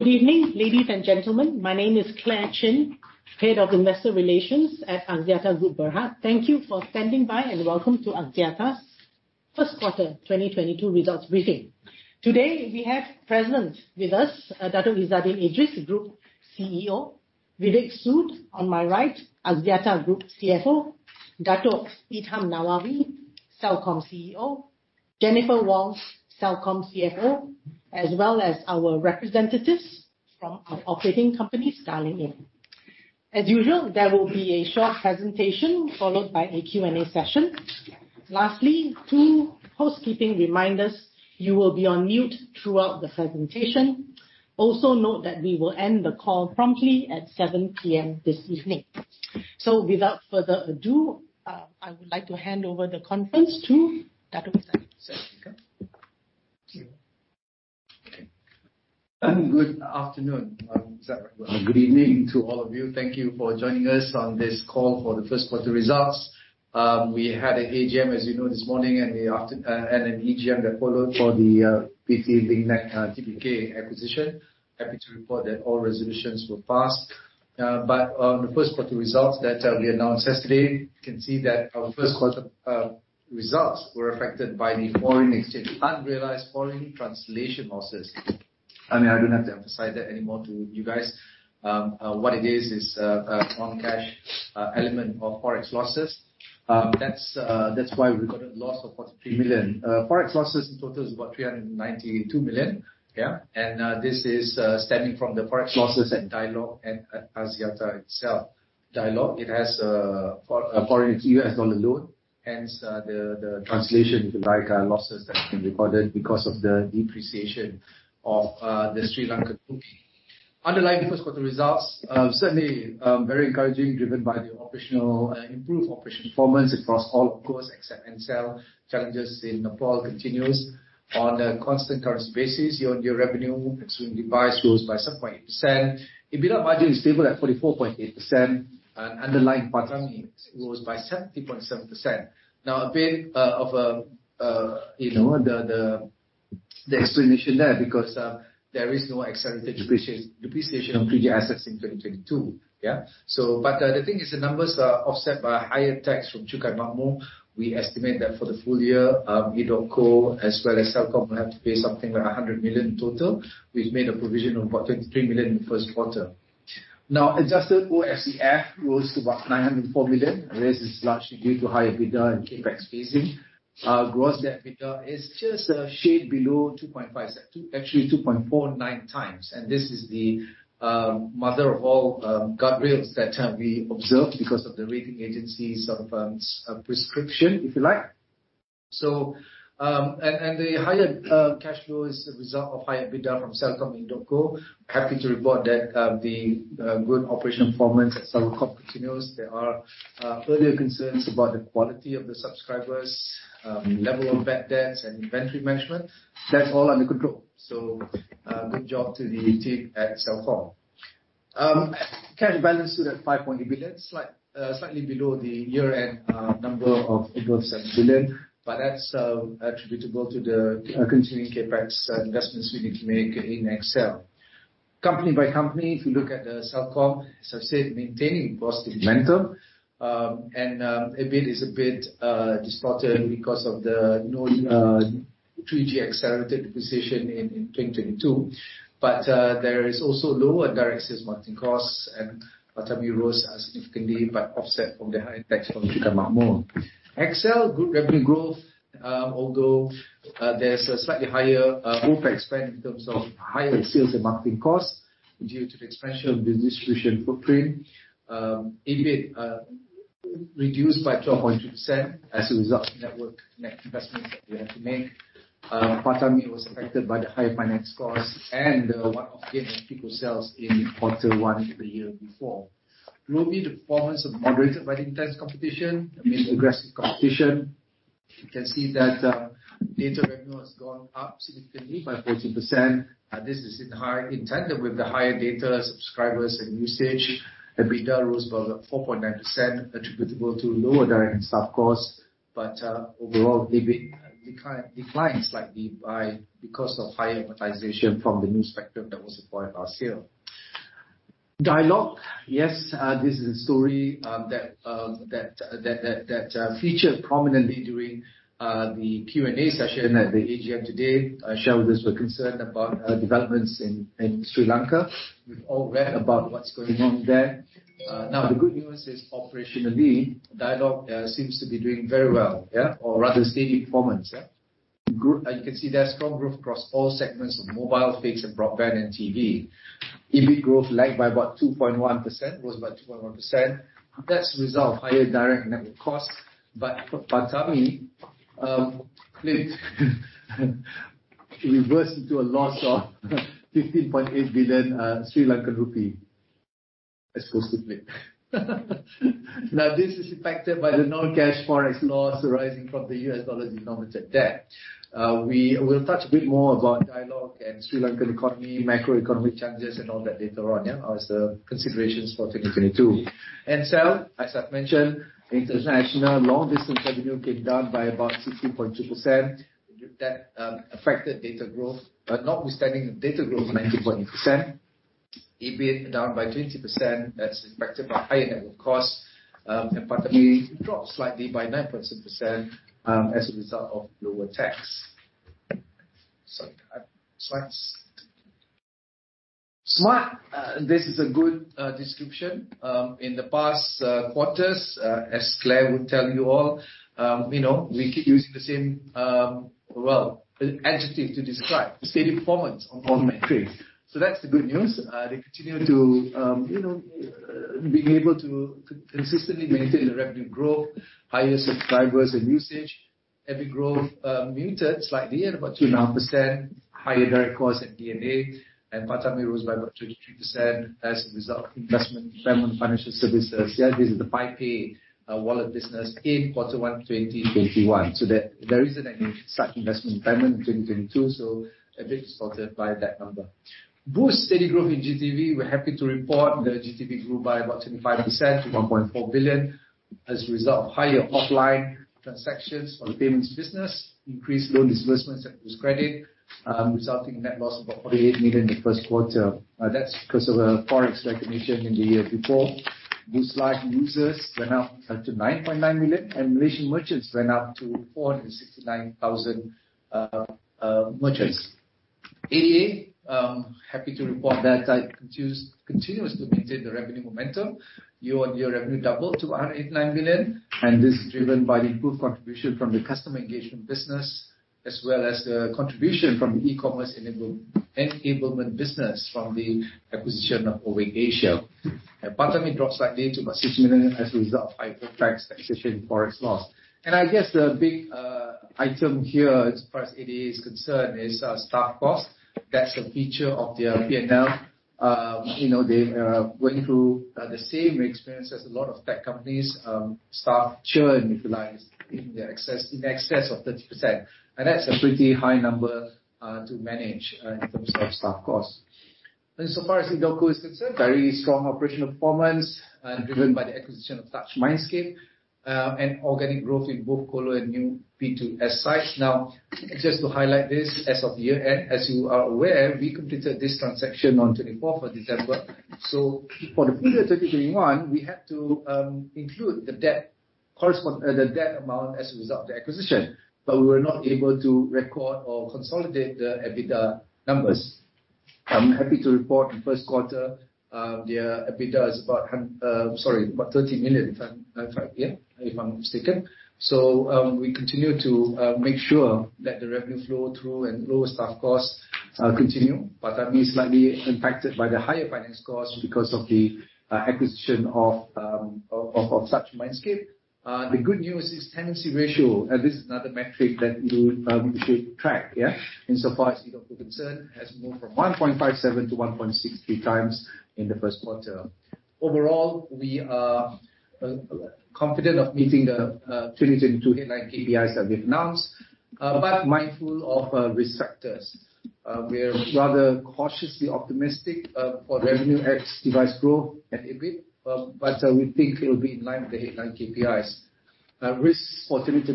Good evening, ladies and gentlemen. My name is Clare Chin, Head of Investor Relations at Axiata Group Berhad. Thank you for standing by and welcome to Axiata's first quarter 2022 results briefing. Today, we have present with us, Dato' Izzaddin Idris, Group CEO. Vivek Sood on my right, Axiata Group CFO. Datuk Idham Nawawi, Celcom CEO. Jennifer Wong, Celcom CFO, as well as our representatives from our operating companies dialing in. As usual, there will be a short presentation followed by a Q&A session. Lastly, two housekeeping reminders. You will be on mute throughout the presentation. Also note that we will end the call promptly at 7 P.M. this evening. Without further ado, I would like to hand over the conference to Dato' Izzaddin. Sir, you can. Good afternoon. Is that recording? Good evening to all of you. Thank you for joining us on this call for the first quarter results. We had an AGM, as you know, this morning, and an EGM that followed for the PT Link Net Tbk acquisition. Happy to report that all resolutions were passed. On the first quarter results that we announced yesterday, you can see that our first quarter results were affected by the foreign exchange unrealized foreign translation losses. I mean, I don't have to emphasize that anymore to you guys. What it is is non-cash element of Forex losses. That's why we recorded loss of 43 million. Forex losses in total is about 392 million. Yeah. This is stemming from the Forex losses at Dialog and at Axiata itself. Dialog, it has a forex-denominated U.S. dollar loan, hence, the translation to FX losses that have been recorded because of the depreciation of the Sri Lankan rupee. Underlying first quarter results certainly very encouraging, driven by the improved operational performance across all OpCos except Ncell. Challenges in Nepal continue. On a constant currency basis, year-on-year revenue excluding device grows by 7.8%. EBITDA margin is stable at 44.8%. Underlying PATAMI grows by 30.7%. Now, a bit of you know, the explanation there because there is no accelerated depreciation of 3G assets in 2022. The thing is the numbers are offset by higher tax from Cukai Makmur. We estimate that for the full year, edotco as well as Celcom will have to pay something like 100 million in total. We've made a provision of about 23 million in the first quarter. Now, adjusted OCF rose to about 904 million. This is largely due to higher EBITDA and CapEx phasing. Grossed EBITDA is just a shade below 2.5. Actually 2.49x. This is the mother of all guardrails that we observed because of the rating agencies' S&P prescription, if you like. The higher cash flow is a result of higher EBITDA from Celcom and edotco. Happy to report that the good operational performance at Celcom continues. There are earlier concerns about the quality of the subscribers, level of bad debts and inventory management. That's all under control. Good job to the team at Celcom. Cash balance stood at 5.8 billion, slightly below the year-end number of over 7 billion, but that's attributable to the continuing CapEx investments we need to make in XL. Company by company, if you look at Celcom, as I've said, maintaining positive momentum. A bit distorted because of the 3G accelerated depreciation in 2022. There is also lower direct sales marketing costs, and PATAMI rose significantly, but offset from the higher tax from Cukai Makmur. XL Group revenue growth, although there's a slightly higher OpEx spend in terms of higher sales and marketing costs due to the expansion of the distribution footprint. EBIT reduced by 12.2% as a result of network investments that we have to make. PATAMI was affected by the higher finance costs and the one-off gain from Pico cells in quarter one the year before. Robi, the performance of moderated by the intense competition, I mean aggressive competition. You can see that, data revenue has gone up significantly by 14%. This is in line with the higher data subscribers and usage. EBITDA rose by 4.9% attributable to lower direct and staff costs. Overall, EBIT declined slightly because of higher amortization from the new spectrum that was acquired last year. Dialog, yes, this is a story that featured prominently during the Q&A session at the AGM today. Shareholders were concerned about developments in Sri Lanka. We've all read about what's going on there. Now, the good news is operationally, Dialog seems to be doing very well, or rather steady performance. Group. You can see there's strong growth across all segments of mobile, fixed, and broadband, and TV. EBIT growth lagged by about 2.1%, grows by 2.1%. That's a result of higher direct and network costs. For PATAMI, flipped reversed into a loss of LKR 15.8 billion Sri Lankan rupee, as supposedly. Now, this is affected by the non-cash Forex loss arising from the US dollar-denominated debt. We will touch a bit more about Dialog and Sri Lankan economy, macro economy challenges, and all that later on, yeah, as considerations for 2022. Ncell, as I've mentioned, international long distance revenue came down by about 16.2%. That affected data growth. Notwithstanding, data growth 90.8%. EBIT down by 20% as expected by higher network costs, and bottom drop slightly by 9.6%, as a result of lower tax. Sorry, slides. Smart, this is a good description. In the past quarters, as Clare would tell you all, you know, we keep using the same, well, adjective to describe steady performance on all metrics. That's the good news. They continue to, you know, being able to consistently maintain the revenue growth, higher subscribers and usage. EBIT growth muted slightly at about 2.5%, higher direct costs at D&A and bottom line rose by about 23% as a result of investment impairment financial services. Yeah, this is the Pi Pay wallet business in quarter one 2021. So there isn't any such investment impairment in 2022, so a bit distorted by that number. Boost steady growth in GTV. We're happy to report the GTV grew by about 25% to 1.4 billion as a result of higher offline transactions for the payments business, increased loan disbursements at Boost Credit, resulting in net loss of about 48 million in the first quarter. That's because of a Forex recognition in the year before. Boost live users went up to 9.9 million, and Malaysian merchants went up to 469,000 merchants. ADA happy to report that ADA continues to maintain the revenue momentum. Year-on-year revenue doubled to 89 million, and this is driven by the improved contribution from the customer engagement business as well as the contribution from the e-commerce enablement business from the acquisition of Aver Asia. Bottom line drops slightly to about 6 million as a result of higher taxation, Forex loss. I guess the big item here as far as ADA is concerned is staff cost. That's a feature of their P&L. You know, they went through the same experience as a lot of tech companies. Staff churn in excess of 30%, and that's a pretty high number to manage in terms of staff costs. Far as edotco is concerned, very strong operational performance, driven by the acquisition of Touch Mindscape, and organic growth in both colo and new P2S sites. Now, just to highlight this, as of the year end, as you are aware, we completed this transaction on December 24th. For the period 2021, we had to include the debt amount as a result of the acquisition, but we were not able to record or consolidate the EBITDA numbers. I'm happy to report the first quarter, their EBITDA is about 30 million if I'm not mistaken. We continue to make sure that the revenue flow through and lower staff costs continue, but are being slightly impacted by the higher finance costs because of the acquisition of Touch Mindscape. The good news is tenancy ratio, and this is another metric that we should track. In so far as edotco is concerned, has moved from 1.57x-1.63x in the first quarter. Overall, we are confident of meeting the 2022 headline KPIs that we've announced, but mindful of risk factors. We're rather cautiously optimistic for revenue ex device growth and EBIT, but we think it'll be in line with the headline KPIs. Risks for 2022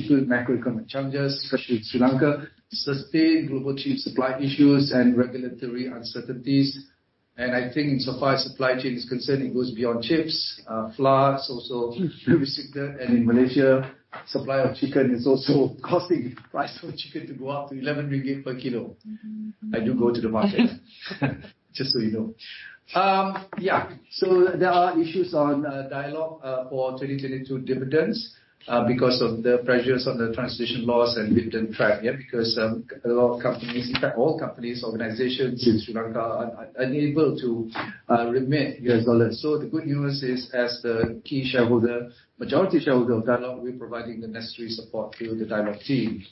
include macroeconomic challenges, especially in Sri Lanka, sustained global chip supply issues and regulatory uncertainties. I think in so far as supply chain is concerned, it goes beyond chips. Floods also very significant. In Malaysia, supply of chicken is also causing price of chicken to go up to 11 million per kilo. I do go to the market. Just so you know. There are issues on Dialog for 2022 dividends because of the pressures on the transition loss and dividend track. A lot of companies, in fact all companies, organizations in Sri Lanka are unable to remit U.S. dollars. The good news is, as the key shareholder, majority shareholder of Dialog, we're providing the necessary support to the Dialog team.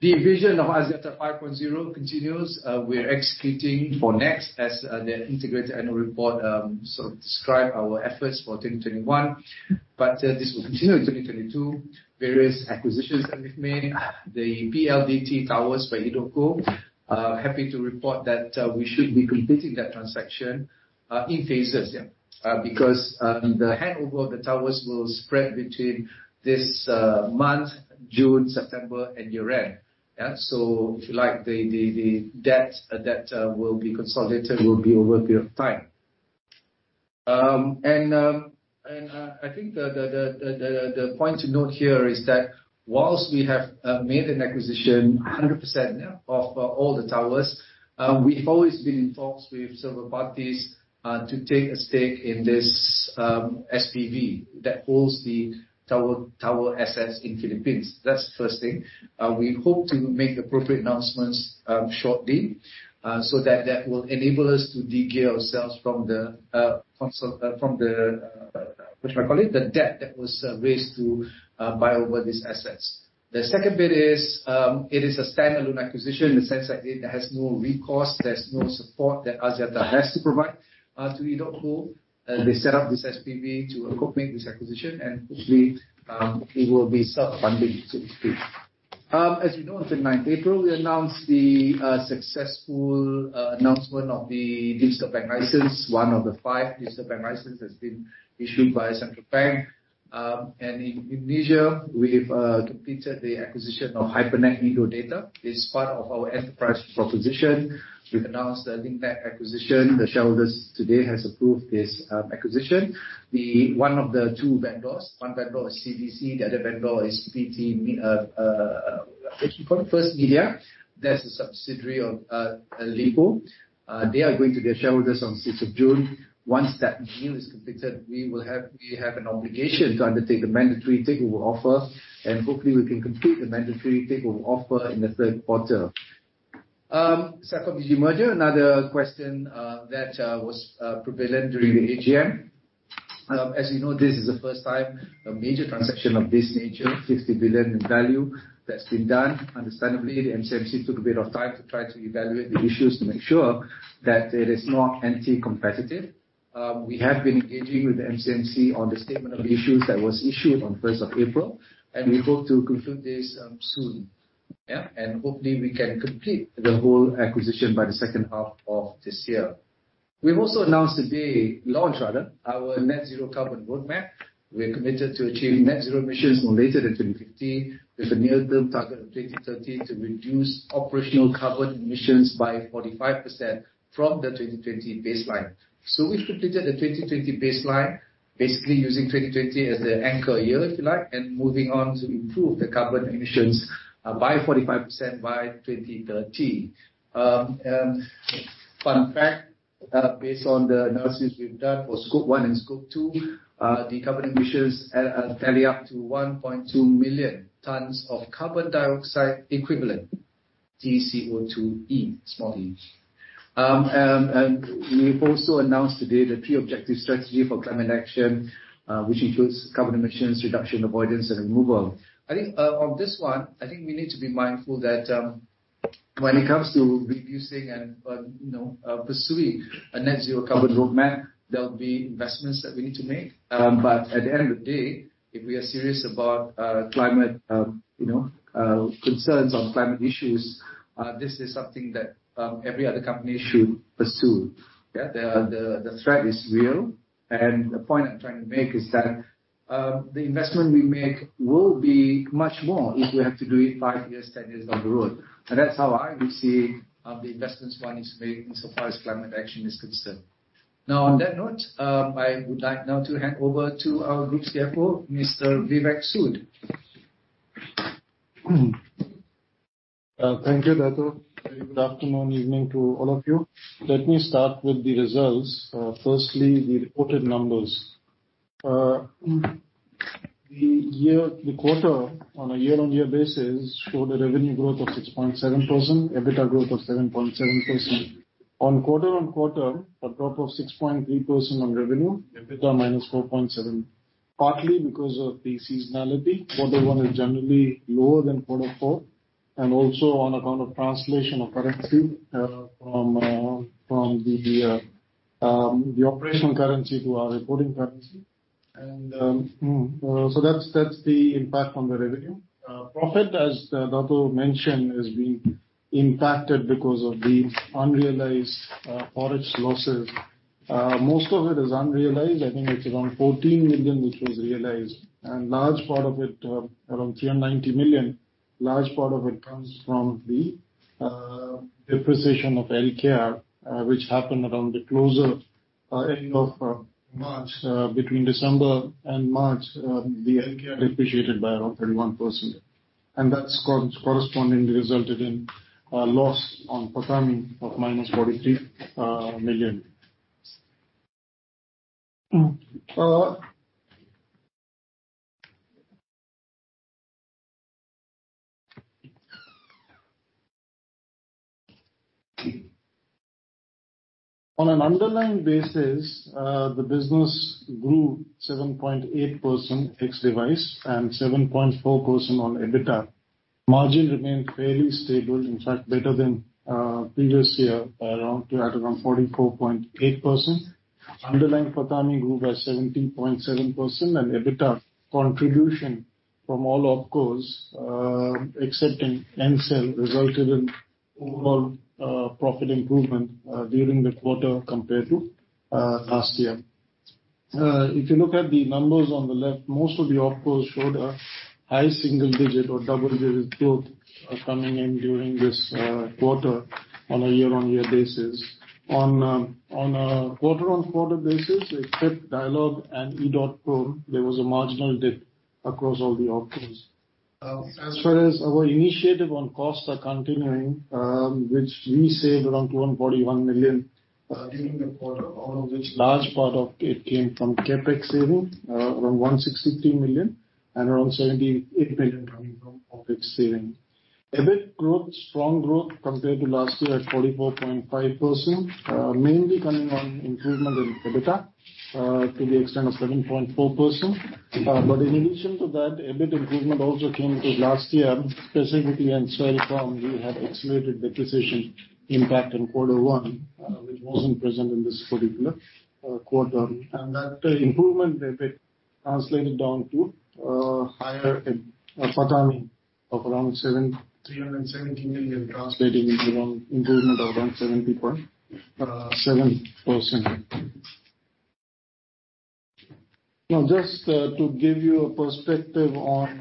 The vision of Axiata 5.0 continues. We're executing for next as the integrated annual report sort of describe our efforts for 2021. This will continue in 2022. Various acquisitions that we've made. The PLDT towers by edotco. Happy to report that we should be completing that transaction in phases. Because the handover of the towers will spread between this month, June, September and year-end. If you like, the debt that will be consolidated will be over a period of time. I think the point to note here is that whilst we have made an acquisition 100% of all the towers, we've always been in talks with several parties to take a stake in this SPV that holds the tower assets in Philippines. That's the first thing. We hope to make appropriate announcements shortly, so that will enable us to de-gear ourselves from the debt that was raised to buy over these assets. The second bit is, it is a standalone acquisition in the sense that it has no recourse. There's no support that Axiata has to provide to edotco. They set up this SPV to incorporate this acquisition and hopefully, it will be self-funding, so to speak. As you know, on the ninth April, we announced the successful announcement of the digital bank license. One of the five digital bank license has been issued by Bank Negara Malaysia. In Asia, we've completed the acquisition of Hypernet Indo Data. It's part of our enterprise proposition. We've announced the Link Net acquisition. The shareholders today has approved this acquisition. One of the two vendors, one vendor is CVC, the other vendor is First Media. That's a subsidiary of Alibaba. They are going to be our shareholders on sixth of June. Once that deal is completed, we have an obligation to undertake the mandatory takeover offer, and hopefully we can complete the mandatory takeover offer in the third quarter. CelcomDigi merger, another question, that was prevalent during the AGM. As you know, this is the first time a major transaction of this nature, 60 billion in value that's been done. Understandably, the MCMC took a bit of time to try to evaluate the issues to make sure that it is not anti-competitive. We have been engaging with the MCMC on the statement of issues that was issued on April 1st, and we hope to conclude this soon. Hopefully we can complete the whole acquisition by the second half of this year. We've also announced today, launch rather, our net zero carbon roadmap. We're committed to achieving net zero emissions no later than 2050, with a near-term target of 2030 to reduce operational carbon emissions by 45% from the 2020 baseline. We've completed the 2020 baseline, basically using 2020 as the anchor year, if you like, and moving on to improve the carbon emissions by 45% by 2030. Fun fact, based on the analysis we've done for Scope 1 and Scope 2, the carbon emissions tally up to 1.2 million tons of carbon dioxide equivalent, tCO2e. We've also announced today the key objective strategy for climate action, which includes carbon emissions reduction, avoidance and removal. I think, on this one, I think we need to be mindful that, when it comes to reducing and, you know, pursuing a net zero carbon roadmap, there'll be investments that we need to make. But at the end of the day, if we are serious about, climate, you know, concerns on climate issues, this is something that every other company should pursue. Yeah. The threat is real. The point I'm trying to make is that, the investment we make will be much more if we have to do it five years, 10 years down the road. That's how I would see, the investments one is making so far as climate action is concerned. Now, on that note, I would like now to hand over to our Group CFO, Mr. Vivek Sood. Thank you, Dato'. Good afternoon, evening to all of you. Let me start with the results. Firstly, the reported numbers. The quarter on a year-on-year basis showed a revenue growth of 6.7%, EBITDA growth of 7.7%. On quarter-on-quarter, a drop of 6.3% on revenue, EBITDA minus 4.7%, partly because of the seasonality. Quarter one is generally lower than quarter four, and also on account of translation of currency from the operational currency to our reporting currency. So that's the impact on the revenue. Profit, as Dato' mentioned, has been impacted because of the unrealized forex losses. Most of it is unrealized. I think it's around 14 million which was realized. Large part of it, around 390 million, large part of it comes from the depreciation of LKR, which happened around the close, end of March. Between December and March, the LKR depreciated by around 31%. That's correspondingly resulted in a loss on PATAMI of -MYR 43 million. On an underlying basis, the business grew 7.8% ex device and 7.4% on EBITDA. Margin remained fairly stable, in fact better than previous year by around at around 44.8%. Underlying PATAMI grew by 17.7% and EBITDA contribution from all OpCos, excepting Ncell, resulted in overall profit improvement during the quarter compared to last year. If you look at the numbers on the left, most of the OpCos showed a high single digit or double-digit growth coming in during this quarter on a year-on-year basis. On a quarter-on-quarter basis, except Dialog and edotco, there was a marginal dip across all the OpCos. As far as our initiative on costs are continuing, which we saved around 241 million during the quarter, all of which large part of it came from CapEx saving around 163 million and around 78 million coming from OpEx saving. EBIT growth, strong growth compared to last year at 44.5%, mainly coming on improvement in EBITDA to the extent of 7.4%. In addition to that, EBIT improvement also came because last year, Pacific and Celcom, we had accelerated depreciation impact in quarter one, which wasn't present in this particular quarter. That EBIT improvement translated down to higher PATAMI of around 370 million translating into around improvement of around 70.7%. Now just to give you a perspective on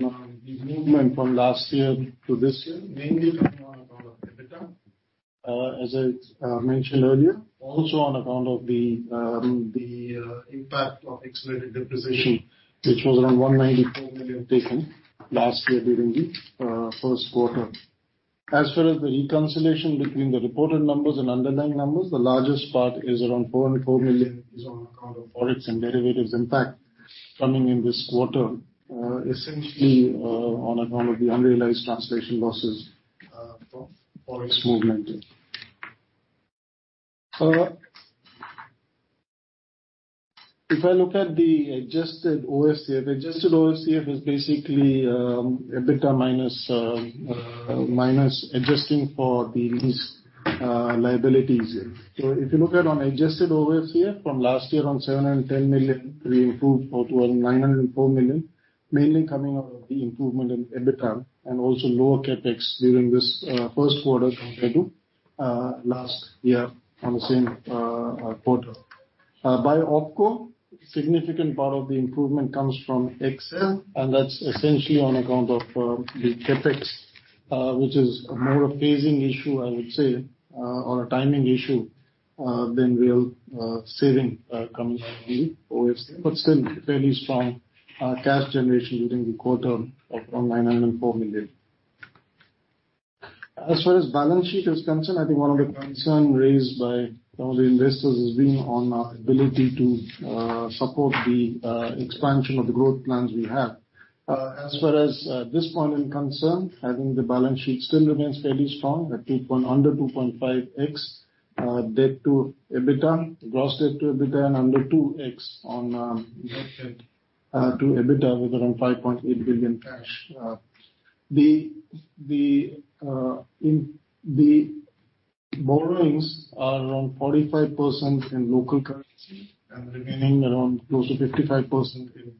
the movement from last year to this year, mainly coming on account of EBITDA, as I mentioned earlier. Also on account of the impact of accelerated depreciation, which was around 194 million taken last year during the first quarter. As far as the reconciliation between the reported numbers and underlying numbers, the largest part is around 4.4 million on account of Forex and derivatives impact coming in this quarter. Essentially, on account of the unrealized translation losses from Forex movement. If I look at the adjusted OCF, adjusted OCF is basically EBITDA minus adjusting for the lease liabilities. If you look at adjusted OCF from last year at 710 million, we improved to around 904 million, mainly coming out of the improvement in EBITDA and also lower CapEx during this first quarter compared to last year on the same quarter. By OpCo, significant part of the improvement comes from XL, and that's essentially on account of the CapEx, which is more a phasing issue, I would say, or a timing issue than real saving coming out of the OCF. Still fairly strong cash generation during the quarter of around 904 million. As far as balance sheet is concerned, I think one of the concern raised by some of the investors is being on our ability to support the expansion of the growth plans we have. As far as this point is concerned, I think the balance sheet still remains fairly strong at two point... Under 2.5x debt to EBITDA, gross debt to EBITDA, and under 2x on net debt to EBITDA with around 5.8 billion cash. The borrowings are around 45% in local currency and remaining around close to 55% in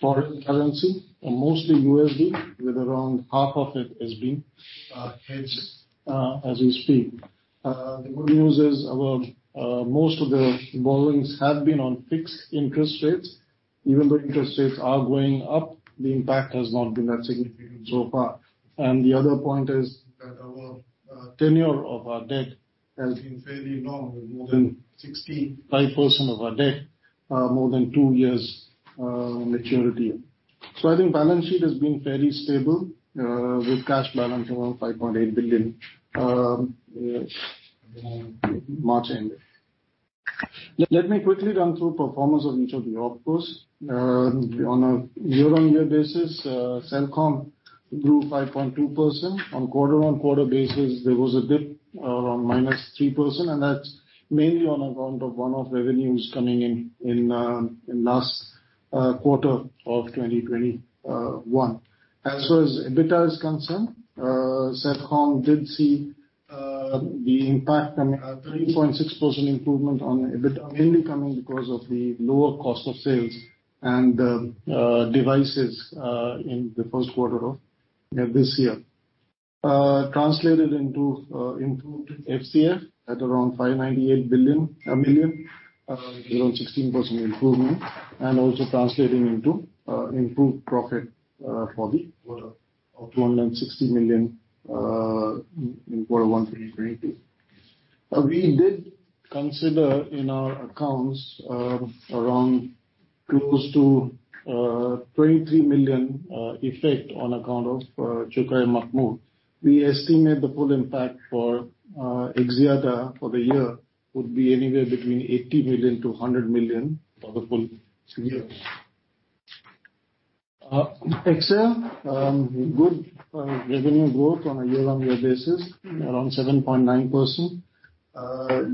foreign currency, and mostly USD, with around half of it has been hedged as we speak. The good news is our most of the borrowings have been on fixed interest rates. Even though interest rates are going up, the impact has not been that significant so far. The other point is that our tenure of our debt has been fairly long, with more than 65% of our debt more than two years maturity. I think balance sheet has been fairly stable, with cash balance around 5.8 billion, March ending. Let me quickly run through performance of each of the OpCos. On a year-on-year basis, Celcom grew 5.2%. On quarter-on-quarter basis, there was a dip around -3%, and that's mainly on account of one-off revenues coming in in last quarter of 2021. As far as EBITDA is concerned, Celcom did see the impact and a 3.6% improvement on the EBITDA, mainly coming because of the lower cost of sales and the devices in the first quarter of this year. Translated into improved FCF at around 598 million, around 16% improvement, and also translating into improved profit for the quarter of 260 million in quarter one 2022. We did consider in our accounts around close to 23 million effect on account of Cukai Makmur. We estimate the full impact for Axiata for the year would be anywhere between 80 million- 100 million for the full year. XL good revenue growth on a year-on-year basis, around 7.9%.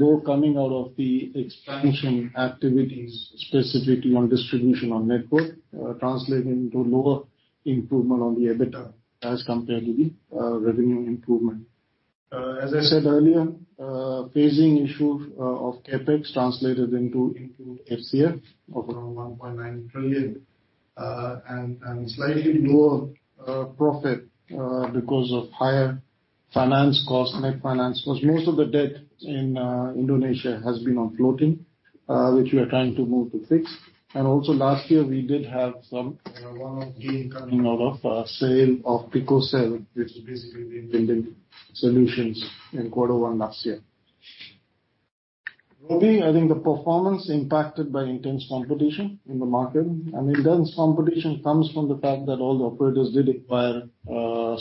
Though coming out of the expansion activities, specifically on distribution on network, translating into lower improvement on the EBITDA as compared to the revenue improvement. As I said earlier, phasing issue of CapEx translated into improved FCF of around 1.9 trillion. Slightly lower profit because of higher finance costs, net finance costs. Most of the debt in Indonesia has been on floating, which we are trying to move to fixed. Also last year we did have some one-off gain coming out of sale of Pico Cell, which is basically the building solutions in quarter one last year. Robi, I think the performance impacted by intense competition in the market. Intense competition comes from the fact that all the operators did acquire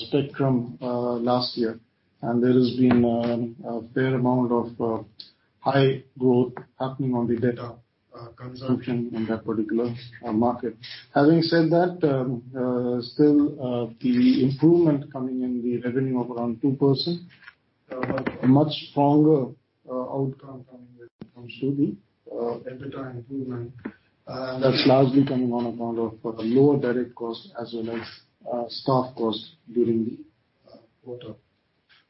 spectrum last year. There has been a fair amount of high growth happening on the data consumption in that particular market. Having said that, still, the improvement coming in the revenue of around 2%, a much stronger outcome coming when it comes to the EBITDA improvement. That's largely coming on account of lower direct costs as well as staff costs during the.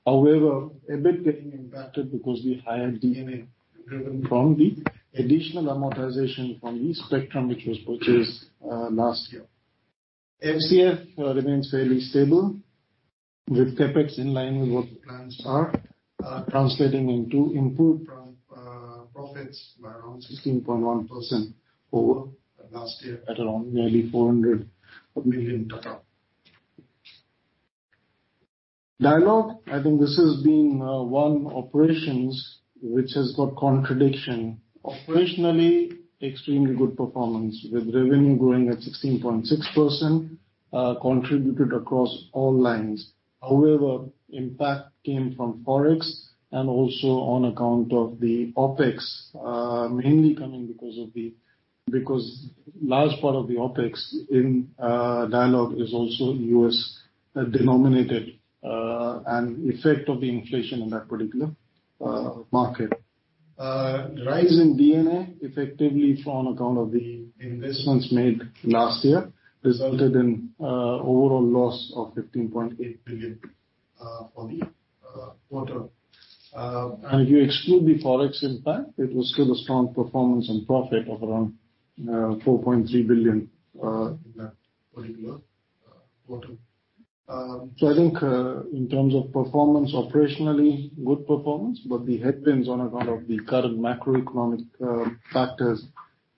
However, EBIT getting impacted because the higher D&A driven from the additional amortization from the spectrum which was purchased last year. FCF remains fairly stable with CapEx in line with what the plans are, translating into improved profits by around 16.1% over last year at around nearly BDT 400 million. Dialog, I think this has been one operations which has got contradiction. Operationally, extremely good performance with revenue growing at 16.6%, contributed across all lines. However, impact came from Forex and also on account of the OpEx, mainly coming because large part of the OpEx in Dialog is also USD denominated, and effect of the inflation in that particular market. Rise in D&A effectively on account of the investments made last year resulted in overall loss of LKR 15.8 billion for the quarter. If you exclude the Forex impact, it was still a strong performance and profit of around LKR 4.3 billion in that particular quarter. I think in terms of performance, operationally good performance, but the headwinds on account of the current macroeconomic factors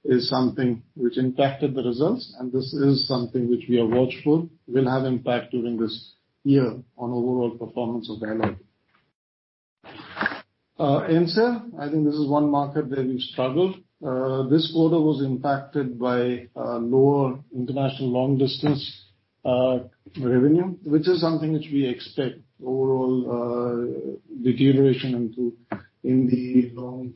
is something which impacted the results and this is something which we are watchful will have impact during this year on overall performance of Dialog. Ncell, I think this is one market where we've struggled. This quarter was impacted by lower international long-distance revenue, which is something which we expect overall deterioration in the long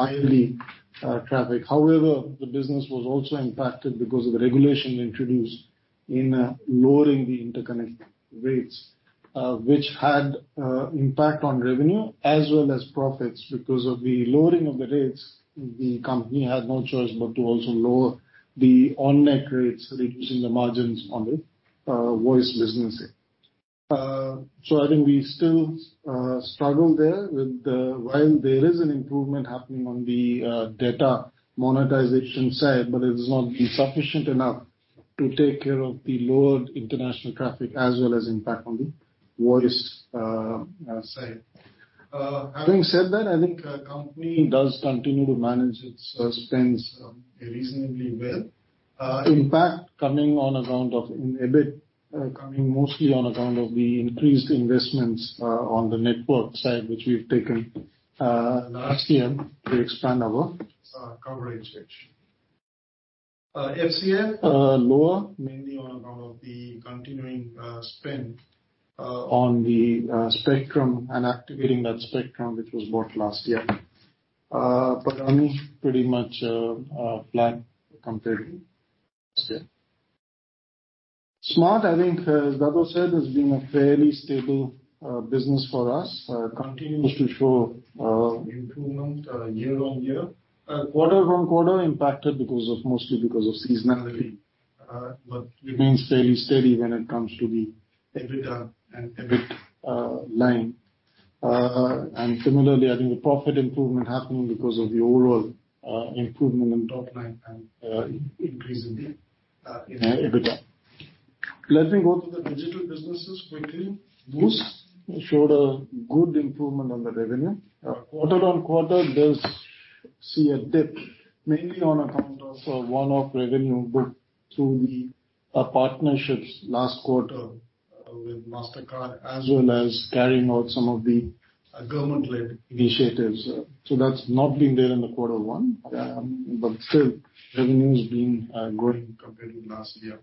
ILD traffic. However, the business was also impacted because of the regulation introduced in lowering the interconnect rates, which had impact on revenue as well as profits. Because of the lowering of the rates, the company had no choice but to also lower the on-net rates, reducing the margins on the voice business. I think we still struggle there. While there is an improvement happening on the data monetization side, but it has not been sufficient enough to take care of the lowered international traffic as well as impact on the voice side. Having said that, I think company does continue to manage its spends reasonably well. Impact in EBIT coming mostly on account of the increased investments on the network side, which we've taken last year to expand our coverage edge. FCF lower mainly on account of the continuing spend on the spectrum and activating that spectrum which was bought last year. But earnings pretty much flat compared to last year. Smart, I think as Dato' said, has been a fairly stable business for us. Continues to show improvement year-on-year. Quarter-on-quarter impacted mostly because of seasonality, but remains fairly steady when it comes to the EBITDA and EBIT line. Similarly, I think the profit improvement happening because of the overall improvement in top line and increase in EBITDA. Let me go through the digital businesses quickly. Moov showed a good improvement on the revenue. Quarter-on-quarter does see a dip mainly on account of some one-off revenue booked through the partnerships last quarter with Mastercard as well as carrying out some of the government-led initiatives. So that's not been there in the quarter one, but still revenue has been growing compared to last year.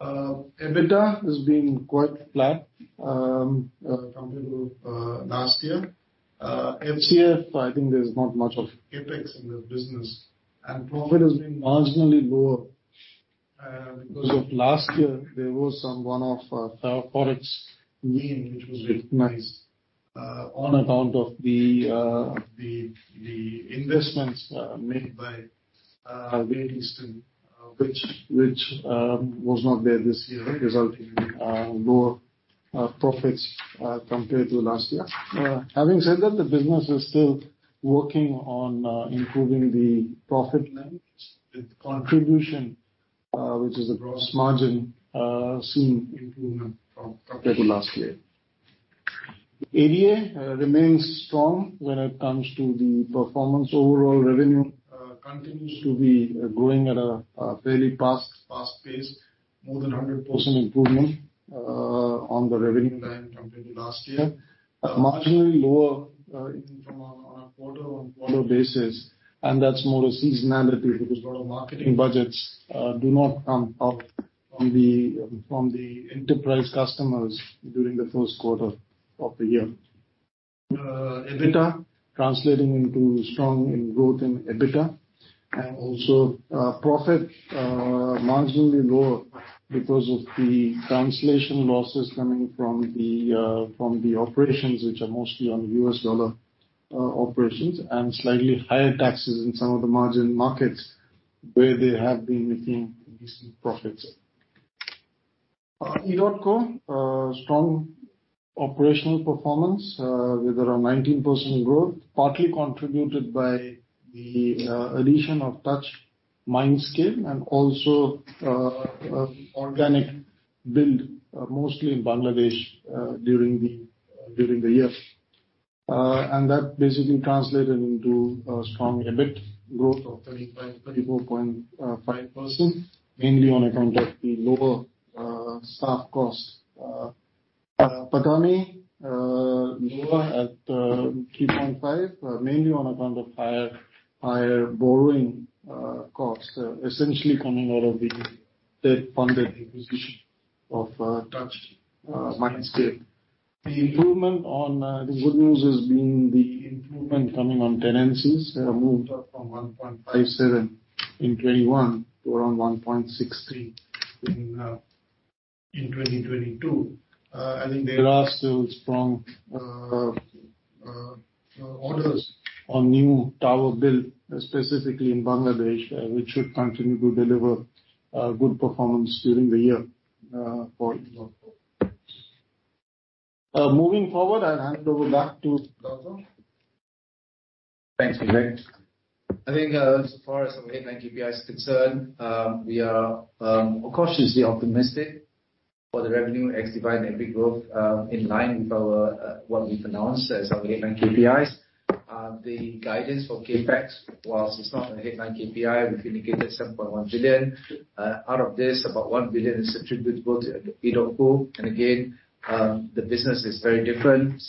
EBITDA has been quite flat compared to last year. FCF, I think there's not much of CapEx in this business, and profit has been marginally lower because of last year there was some one-off Forex gain which was recognized on account of the investments made by Great Eastern which was not there this year resulting in lower profits compared to last year. Having said that, the business is still working on improving the profit margins with contribution, which is the gross margin, seeing improvement compared to last year. ADA remains strong when it comes to the performance. Overall revenue continues to be growing at a fairly fast pace. More than 100% improvement on the revenue line compared to last year. Marginally lower, even on a quarter-over-quarter basis. That's more of seasonality because a lot of marketing budgets do not come out from the enterprise customers during the first quarter of the year. EBITDA translating into strong growth in EBITDA and also profit marginally lower because of the translation losses coming from the operations which are mostly on US dollar operations and slightly higher taxes in some of the emerging markets. Where they have been making decent profits. edotco strong operational performance with around 19% growth, partly contributed by the addition of Touch Mindscape and also organic build mostly in Bangladesh during the year. That basically translated into a strong EBIT growth of 24.5%, mainly on account of the lower staff costs. I mean lower at 3.5% mainly on account of higher borrowing costs, essentially coming out of the debt-funded acquisition of Touch Mindscape. The good news has been the improvement coming on tenancies. They have moved up from 1.57% in 2021 to around 1.63% in 2022. I think there are still strong orders on new tower build, specifically in Bangladesh, which should continue to deliver good performance during the year for edotco. Moving forward, I'll hand over back to Dato'. Thanks, Vivek. I think as far as our headline KPI is concerned, we are cautiously optimistic for the revenue ex-dividend and Digi growth, in line with our what we've announced as our headline KPIs. The guidance for CapEx, while it's not a headline KPI, we've indicated 7.1 billion. Out of this, about 1 billion is attributable to edotco. And again, the business is very different.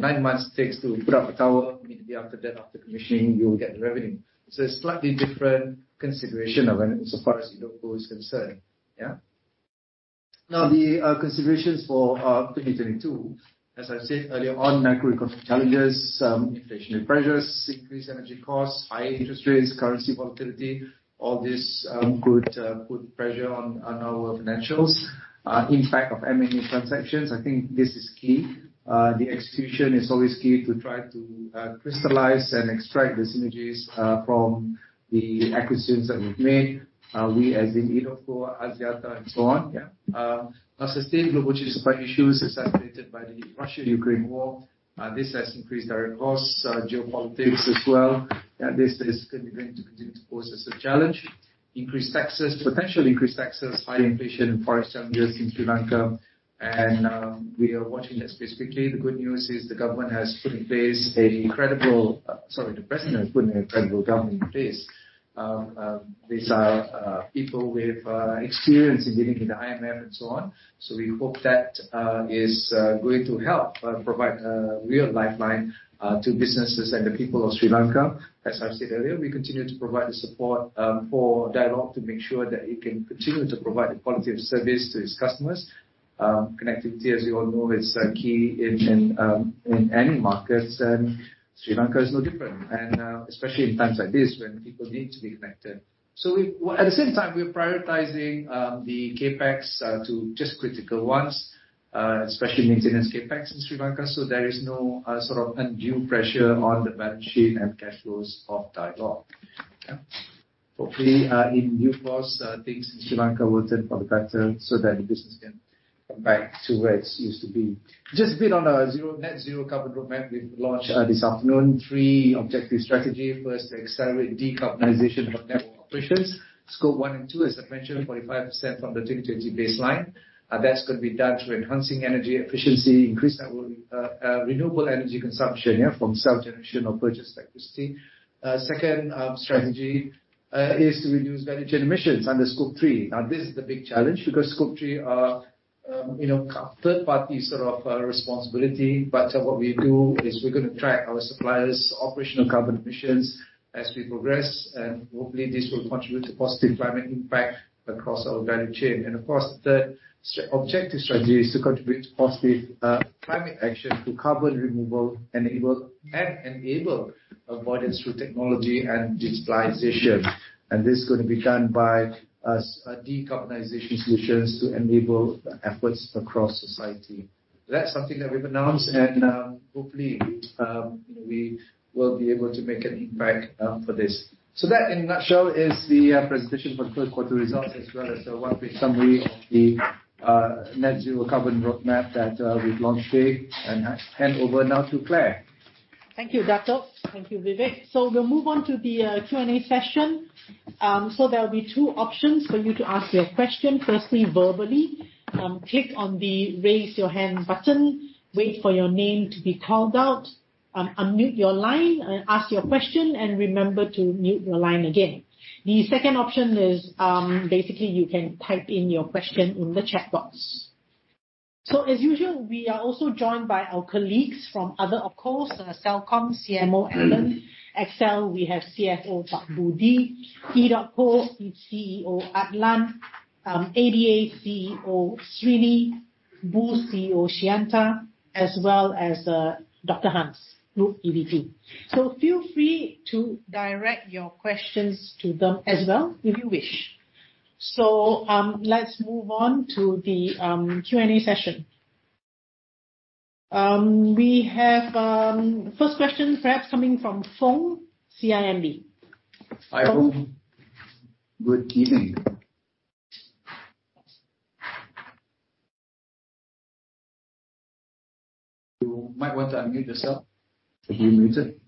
Nine months it takes to put up a tower, immediately after that, after commissioning, you'll get the revenue. Slightly different consideration of when, so far as edotco is concerned. Now, the considerations for 2022, as I said earlier on, macroeconomic challenges, inflationary pressures, increased energy costs, high interest rates, currency volatility, all this could put pressure on our financials. Impact of M&A transactions, I think this is key. The execution is always key to try to crystallize and extract the synergies from the acquisitions that we've made. We as in edotco, Axiata, and so on. Our sustained global supply issues as escalated by the Russia-Ukraine war. This has increased our costs. Geopolitics as well. This is going to continue to pose as a challenge. Increased taxes, potentially increased taxes, high inflation for some years in Sri Lanka. We are watching that specifically. The good news is the president has put a credible government in place. These are people with experience in dealing with the IMF and so on. We hope that is going to help provide a real lifeline to businesses and the people of Sri Lanka. As I've said earlier, we continue to provide the support for Dialog to make sure that it can continue to provide the quality of service to its customers. Connectivity, as you all know, is key in any markets, and Sri Lanka is no different. Especially in times like this when people need to be connected. At the same time, we're prioritizing the CapEx to just critical ones, especially maintenance CapEx in Sri Lanka. There is no sort of undue pressure on the balance sheet and cash flows of Dialog. Hopefully, in due course, things in Sri Lanka will turn for the better so that the business can come back to where it used to be. Just a bit on our net zero carbon roadmap we've launched this afternoon. Three objective strategy. First, to accelerate decarbonization of our network operations. Scope 1 and 2, as I mentioned, 45% from the 2020 baseline. That's gonna be done through enhancing energy efficiency, increase our renewable energy consumption from self-generation or purchased electricity. Second, strategy is to reduce value chain emissions under Scope 3. Now, this is the big challenge because Scope 3 are, you know, key third party sort of responsibility. What we do is we're gonna track our suppliers' operational carbon emissions as we progress, and hopefully this will contribute to positive climate impact across our value chain. Of course, the objective strategy is to contribute to positive climate action through carbon removal enabling and enabling avoidance through technology and digitalization. This is gonna be done by decarbonization solutions to enable efforts across society. That's something that we've announced, and hopefully we will be able to make an impact for this. That, in a nutshell, is the presentation for the first quarter results, as well as a one-page summary of the net zero carbon roadmap that we've launched today. Hand over now to Clare. Thank you, Dato'. Thank you, Vivek. We'll move on to the Q&A session. There will be two options for you to ask your question. Firstly, verbally. Click on the Raise Your Hand button, wait for your name to be called out, unmute your line and ask your question, and remember to mute your line again. The second option is, basically you can type in your question in the chat box. As usual, we are also joined by our colleagues from other, of course, Celcom CMO, Allan. XL, we have CFO Pak Budi. edotco, CEO Adlan. ADA, CEO Srini. Boost, CEO Sheyantha. As well as, Dr. Hans, Group EVP. Feel free to direct your questions to them as well, if you wish. Let's move on to the Q&A session. We have first question perhaps coming from Foong, CIMB. Hi, Fung. Good evening. You might want to unmute yourself. You're muted.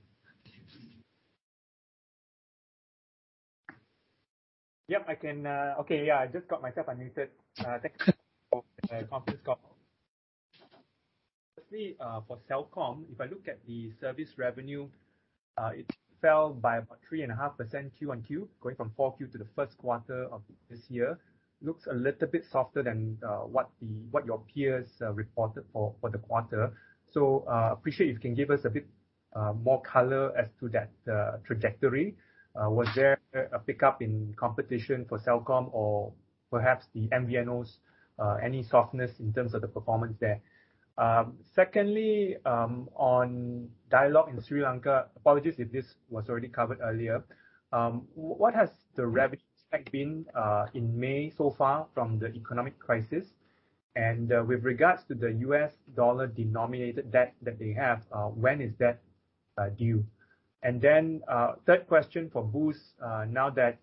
Yep, I can. Okay, yeah, I just got myself unmuted. Thank you for the conference call. Firstly, for Celcom. If I look at the service revenue, it fell by about 3.5% Q on Q, going from 4Q to the first quarter of this year. Looks a little bit softer than what your peers reported for the quarter. Appreciate if you can give us a bit more color as to that trajectory. Was there a pickup in competition for Celcom or perhaps the MVNOs, any softness in terms of the performance there? Secondly, on Dialog in Sri Lanka, apologies if this was already covered earlier. What has the revenue spec been in May so far from the economic crisis? With regards to the U.S. Dollar denominated debt that they have, when is that due? Third question for Boost, now that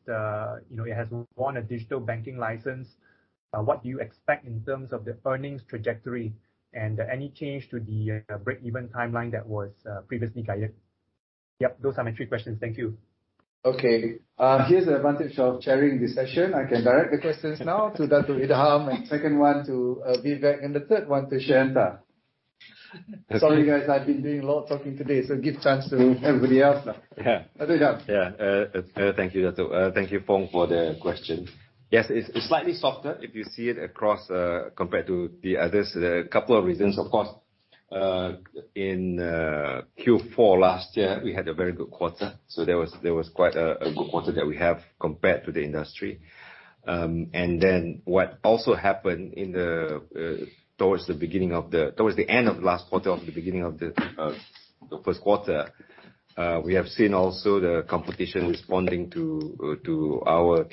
you know it has won a digital banking license, what do you expect in terms of the earnings trajectory? And any change to the breakeven timeline that was previously guided? Yep, those are my three questions. Thank you. Okay. Here's the advantage of chairing this session. I can direct the questions now to Datuk Idham, and second one to Vivek, and the third one to Jusnita. Sorry guys, I've been doing a lot of talking today, so give chance to everybody else now. Yeah. Datuk Idham. Yeah. Thank you, Dato'. Thank you Foong for the question. Yes, it's slightly softer if you see it across, compared to the others. There are a couple of reasons. Of course, in Q4 last year, we had a very good quarter, so there was quite a good quarter that we have compared to the industry. And then what also happened towards the end of last quarter or the beginning of the first quarter, we have seen also the competition responding to our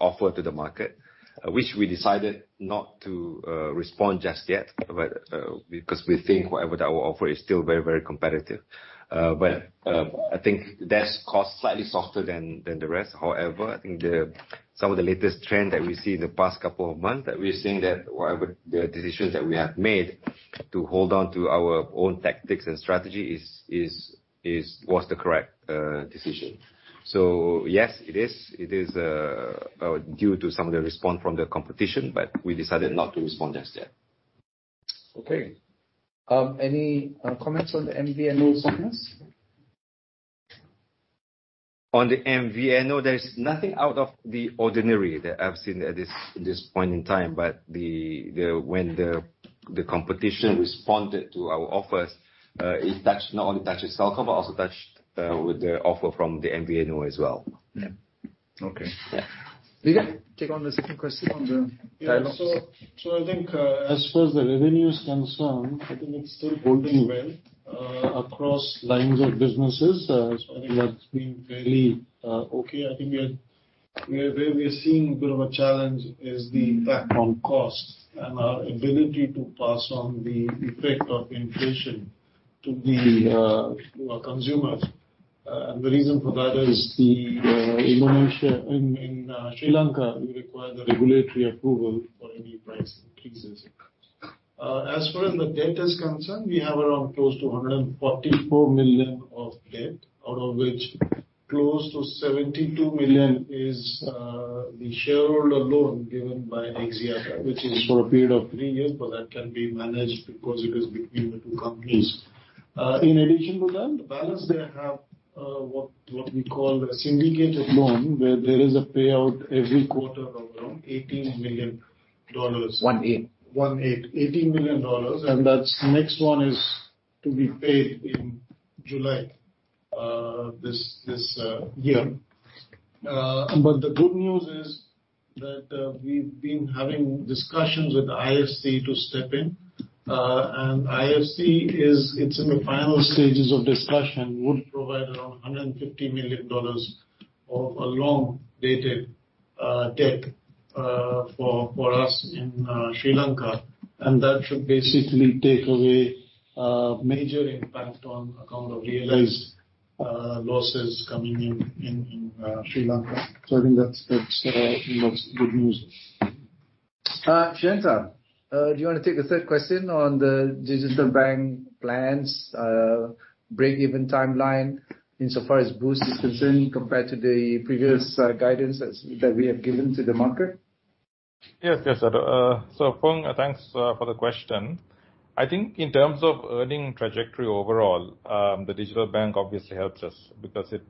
offer to the market. Which we decided not to respond just yet, but because we think whatever that we offer is still very, very competitive. But I think that's caused slightly softer than the rest. However, I think some of the latest trend that we see in the past couple of months, that we're seeing that whatever the decisions that we have made to hold on to our own tactics and strategy was the correct decision. Yes, it is. It is due to some of the response from the competition, but we decided not to respond just yet. Okay. Any comments on the MVNO softness? On the MVNO, there is nothing out of the ordinary that I've seen at this point in time. When the competition responded to our offers, it not only touches Celcom, but also the offer from the MVNO as well. Yeah. Okay. Yeah. Vivek, take on the second question on the Dialog. Yeah. I think as far as the revenue is concerned, I think it's still holding well across lines of businesses. I think that's been fairly okay. I think where we are seeing a bit of a challenge is the impact on cost and our ability to pass on the effect of inflation to our consumers. The reason for that is in Sri Lanka, we require the regulatory approval for any price increases. As far as the debt is concerned, we have around close to $144 million of debt, out of which close to $72 million is the shareholder loan given by Axiata, which is for a period of three years. That can be managed because it is between the two companies. In addition to that, the balance there have what we call a syndicated loan, where there is a payout every quarter of around $18 million. 18. $18 million. That's next one is to be paid in July this year. But the good news is that we've been having discussions with IFC to step in. IFC it's in the final stages of discussion. Would provide around $150 million of a long-dated debt for us in Sri Lanka. That should basically take away major impact on account of realized losses coming in in Sri Lanka. I think that's a large good news. Jusnita, do you wanna take the third question on the digital bank plans? Breakeven timeline insofar as Boost is concerned compared to the previous guidance that we have given to the market? Yes, yes, Dato'. Foong, thanks for the question. I think in terms of earnings trajectory overall, the digital bank obviously helps us because it.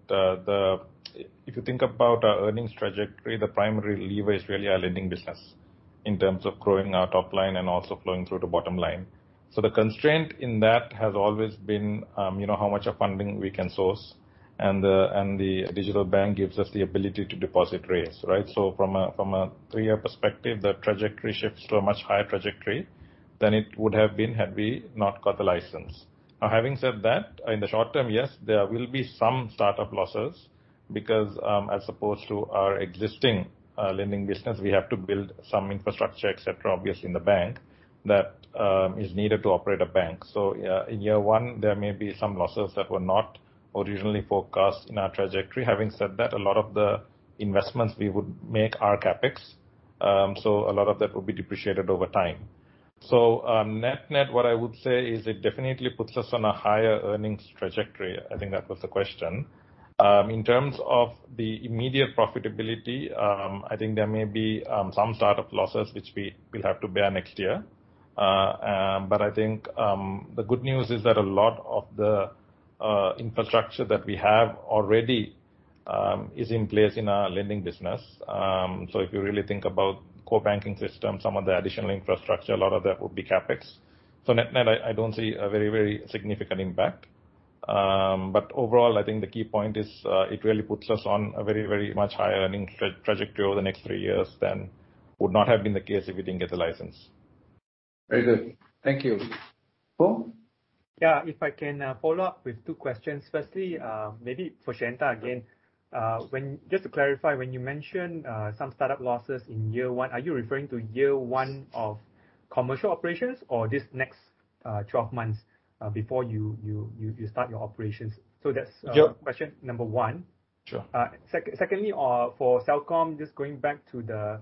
If you think about our earnings trajectory, the primary lever is really our lending business in terms of growing our top line and also flowing through the bottom line. The constraint in that has always been, you know, how much of funding we can source. The digital bank gives us the ability to deposit rates, right? From a three-year perspective, the trajectory shifts to a much higher trajectory than it would have been had we not got the license. Now, having said that, in the short term, yes, there will be some startup losses because, as opposed to our existing lending business, we have to build some infrastructure, et cetera, obviously in the bank that is needed to operate a bank. Yeah, in year one, there may be some losses that were not originally forecast in our trajectory. Having said that, a lot of the investments we would make are CapEx, so a lot of that will be depreciated over time. Net-net, what I would say is it definitely puts us on a higher earnings trajectory. I think that was the question. In terms of the immediate profitability, I think there may be some startup losses which we will have to bear next year. I think the good news is that a lot of the infrastructure that we have already is in place in our lending business. If you really think about core banking system, some of the additional infrastructure, a lot of that would be CapEx. Net-net, I don't see a very, very significant impact. Overall, I think the key point is, it really puts us on a very, very much higher earning trajectory over the next three years than would not have been the case if we didn't get the license. Very good. Thank you. Pho? Yeah, if I can follow up with two questions. Firstly, maybe for Jusnita again. Just to clarify, when you mentioned some startup losses in year one, are you referring to year one of commercial operations or this next 12 months before you start your operations? So that's Sure. Question number one. Sure. Secondly, for Celcom, just going back to the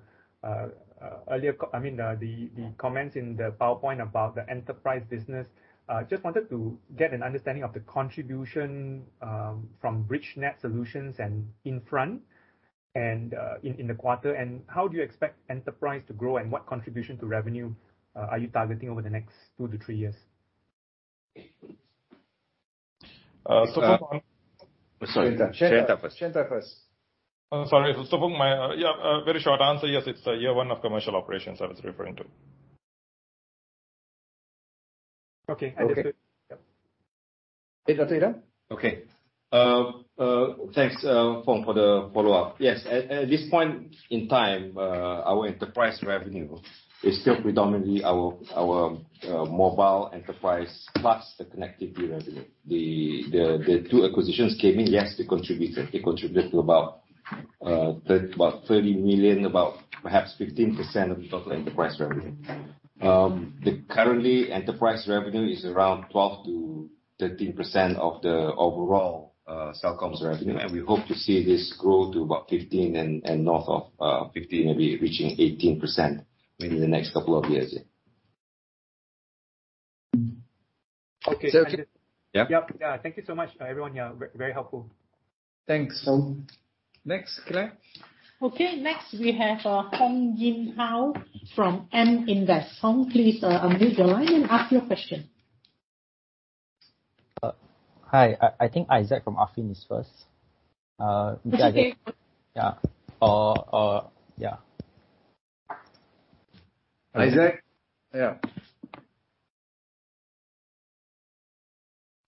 earlier comments in the PowerPoint about the enterprise business, I mean, the comments in the PowerPoint about the enterprise business, just wanted to get an understanding of the contribution from Bridgenet Solutions and Infront and in the quarter, and how do you expect enterprise to grow and what contribution to revenue are you targeting over the next two to three years? Uh, So- Sheyantha. Sheyantha first. Sorry. Foong, my, yeah, a very short answer. Yes, it's year one of commercial operations I was referring to. Okay. Okay. Yeah. Okay, Sheyantha. Okay. Thanks, Foong, for the follow-up. Yes. At this point in time, our enterprise revenue is still predominantly our mobile enterprise plus the connectivity revenue. The two acquisitions came in. Yes, they contributed to about 30 million, about perhaps 15% of the total enterprise revenue. The current enterprise revenue is around 12%-13% of the overall Celcom's revenue, and we hope to see this grow to about 15% and north of 15%, maybe reaching 18% within the next couple of years, yeah. Okay. Yeah. Yep. Yeah. Thank you so much, everyone. Yeah. Very helpful. Thanks, Pho. Next, Claire. Okay. Next, we have Hong Jin Hao from M Invest. Hong, please, unmute your line and ask your question. Hi. I think Isaac from Affin Hwang is first. Yeah. Isaac? Yeah.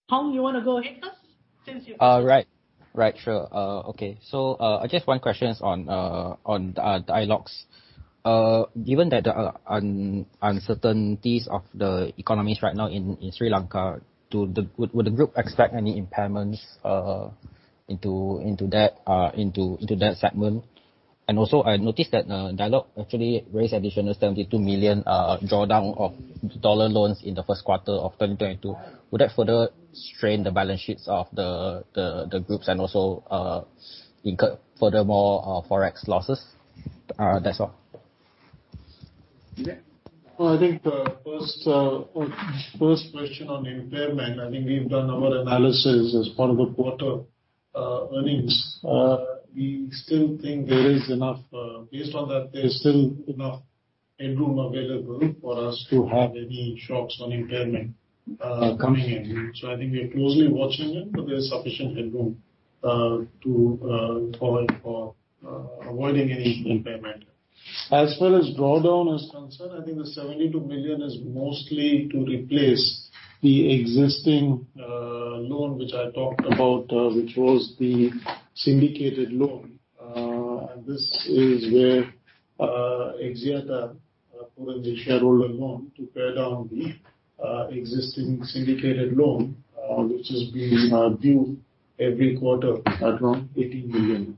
Hong, you wanna go ahead first since you- I guess one question is on Dialog. Given the economic uncertainties right now in Sri Lanka, would the group expect any impairments into that segment? I noticed that Dialog actually raised additional $72 million drawdown of dollar loans in the first quarter of 2022. Would that further strain the balance sheets of the groups and also incur further Forex losses? That's all. Yeah. I think the first question on impairment, I think we've done our analysis as part of the quarter earnings. We still think there is enough based on that, there's still enough headroom available for us to have any shocks on impairment coming in. I think we are closely watching it, but there's sufficient headroom to call for avoiding any impairment. As far as drawdown is concerned, I think the 72 million is mostly to replace the existing loan which I talked about, which was the syndicated loan. This is where Axiata put in the shareholder loan to pay down the existing syndicated loan which is being due every quarter at around MYR 80 million.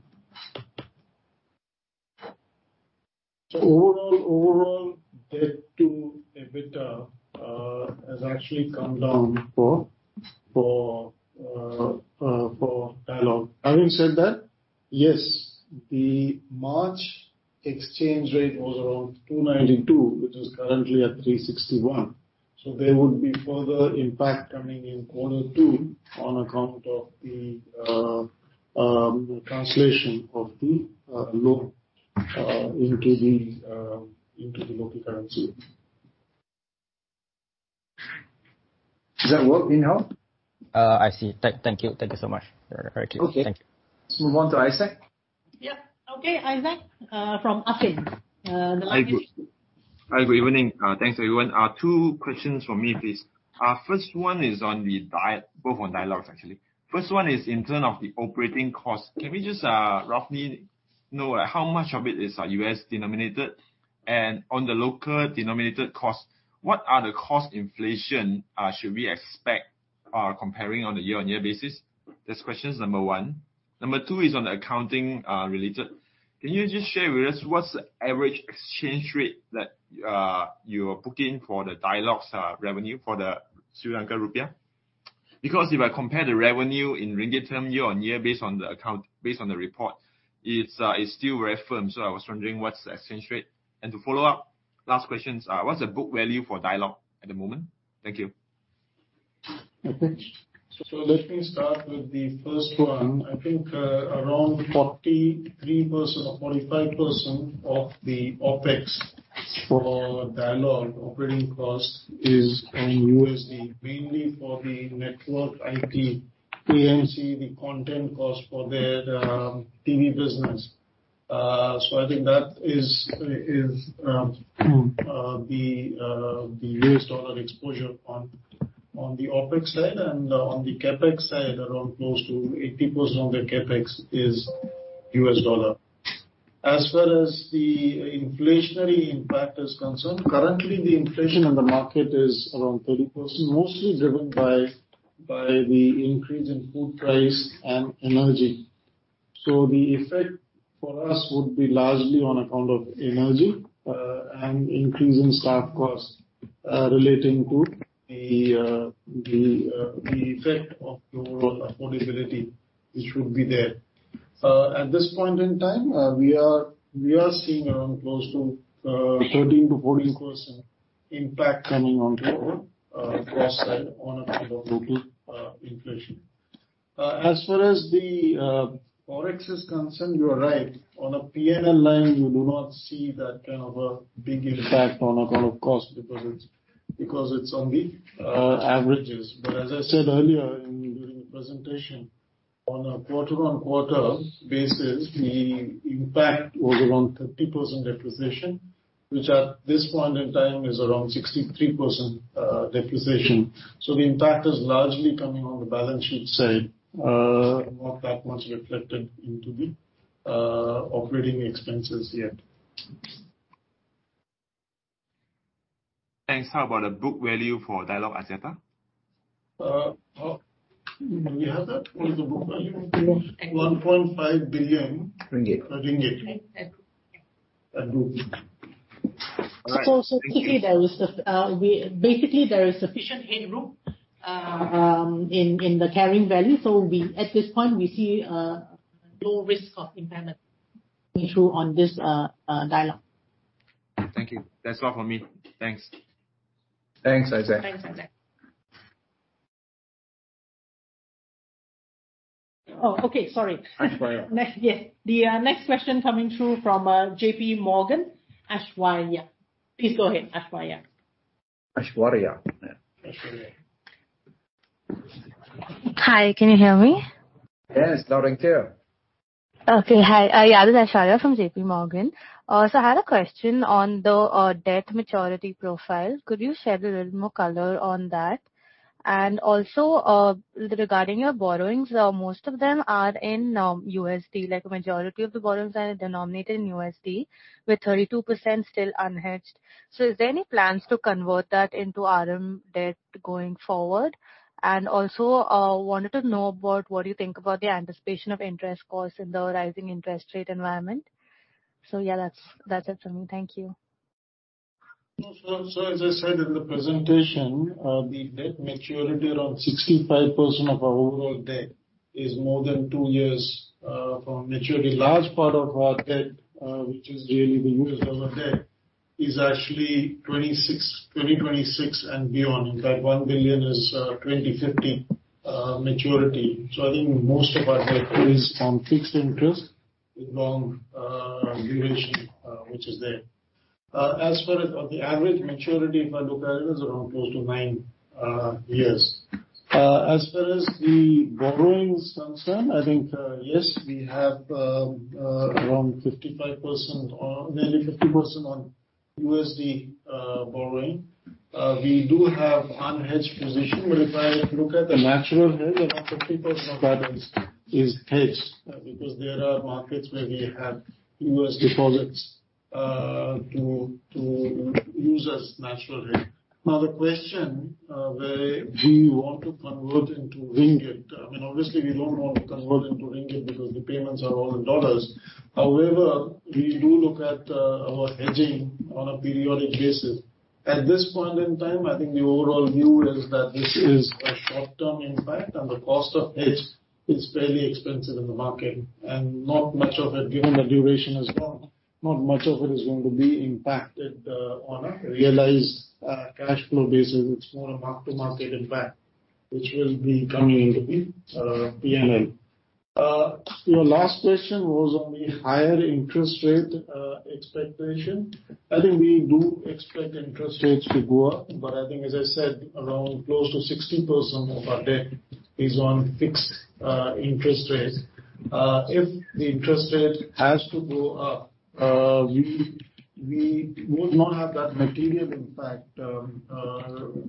Overall, debt to EBITDA has actually come down for Dialog. Having said that, yes, the March exchange rate was around 292, which is currently at 361. There would be further impact coming in quarter two on account of the translation of the loan into the local currency. Does that work, Hong Jin Hao? I see. Thank you. Thank you so much. Very clear. Thank you. Okay. Let's move on to Isaac. Yeah. Okay, Isaac, from Affin. The line is. Hi, good evening. Thanks everyone. Two questions from me, please. First one is on the—both on Dialog actually. First one is in term of the operating cost. Can we just roughly know how much of it is U.S. denominated? And on the local denominated cost, what are the cost inflation should we expect comparing on a year-on-year basis? That's question number one. Number two is on accounting related. Can you just share with us what's the average exchange rate that you're booking for the Dialog revenue for the Sri Lankan rupee? Because if I compare the revenue in ringgit term year-on-year based on the account, based on the report, it's still very firm. So I was wondering what's the exchange rate. To follow up, last question, what's the book value for Dialog at the moment? Thank you. Let me start with the first one. I think around 43% or 45% of the OpEx for Dialog operating cost is on USD, mainly for the network IT, PMC, the content cost for their TV business. I think that is the US dollar exposure on the OpEx side. On the CapEx side, around close to 80% of the CapEx is U.S. dollar. As far as the inflationary impact is concerned, currently the inflation in the market is around 30%, mostly driven by the increase in food price and energy. The effect for us would be largely on account of energy and increase in staff costs relating to the effect of the overall affordability, which would be there. At this point in time, we are seeing around close to 13%-14% impact coming onto our cost side on account of total inflation. As far as the Forex is concerned, you are right. On a P&L line you do not see that kind of a big impact on account of cost because it's on the averages. As I said earlier during the presentation, on a quarter-on-quarter basis, the impact was around 30% depreciation, which at this point in time is around 63% depreciation. The impact is largely coming on the balance sheet side, not that much reflected into the operating expenses yet. Thanks. How about the book value for Dialog Axiata? Do we have that? What is the book value? 1.5 billion. Ringgit. ringgit at group. Basically, there is sufficient headroom in the carrying value. At this point we see low risk of impairment coming through on this Dialog. Thank you. That's all for me. Thanks. Thanks, Isaac. Thanks, Isaac. Oh, okay. Sorry. Aishwarya. Next. Yes. The next question coming through from J.P. Morgan, Aishwarya. Please go ahead, Aishwarya. Aishwarya. Aishwarya. Hi, can you hear me? Yes, loud and clear. Okay. Hi. This is Aishwarya from J.P. Morgan. I had a question on the debt maturity profile. Could you shed a little more color on that? Regarding your borrowings, most of them are in USD, like majority of the borrowings are denominated in USD with 32% still unhedged. Is there any plans to convert that into RM debt going forward? I wanted to know about what you think about the anticipation of interest costs in the rising interest rate environment. That's it for me. Thank you. As I said in the presentation, the debt maturity around 65% of our overall debt is more than two years from maturity. Large part of our debt, which is really the U.S. dollar debt, is actually 2026 and beyond. In fact, $1 billion is 2050 maturity. I think most of our debt is on fixed interest with long duration, which is there. The average maturity, if I look at it, is around close to nine years. As far as the borrowing is concerned, I think, yes, we have around 55% or nearly 50% on USD borrowing. We do have unhedged position, but if I look at the natural hedge, around 50% of that is hedged, because there are markets where we have U.S. deposits, to use as natural hedge. Now the question, where do you want to convert into ringgit, I mean obviously we don't want to convert into ringgit because the payments are all in dollars. However, we do look at our hedging on a periodic basis. At this point in time, I think the overall view is that this is a short-term impact and the cost of hedge is fairly expensive in the market. Not much of it, given the duration as well, not much of it is going to be impacted, on a realized cash flow basis. It's more a mark-to-market impact which will be coming into the P&L. Your last question was on the higher interest rate expectation. I think we do expect interest rates to go up, but I think as I said, around close to 60% of our debt is on fixed interest rates. If the interest rate has to go up, we would not have that material impact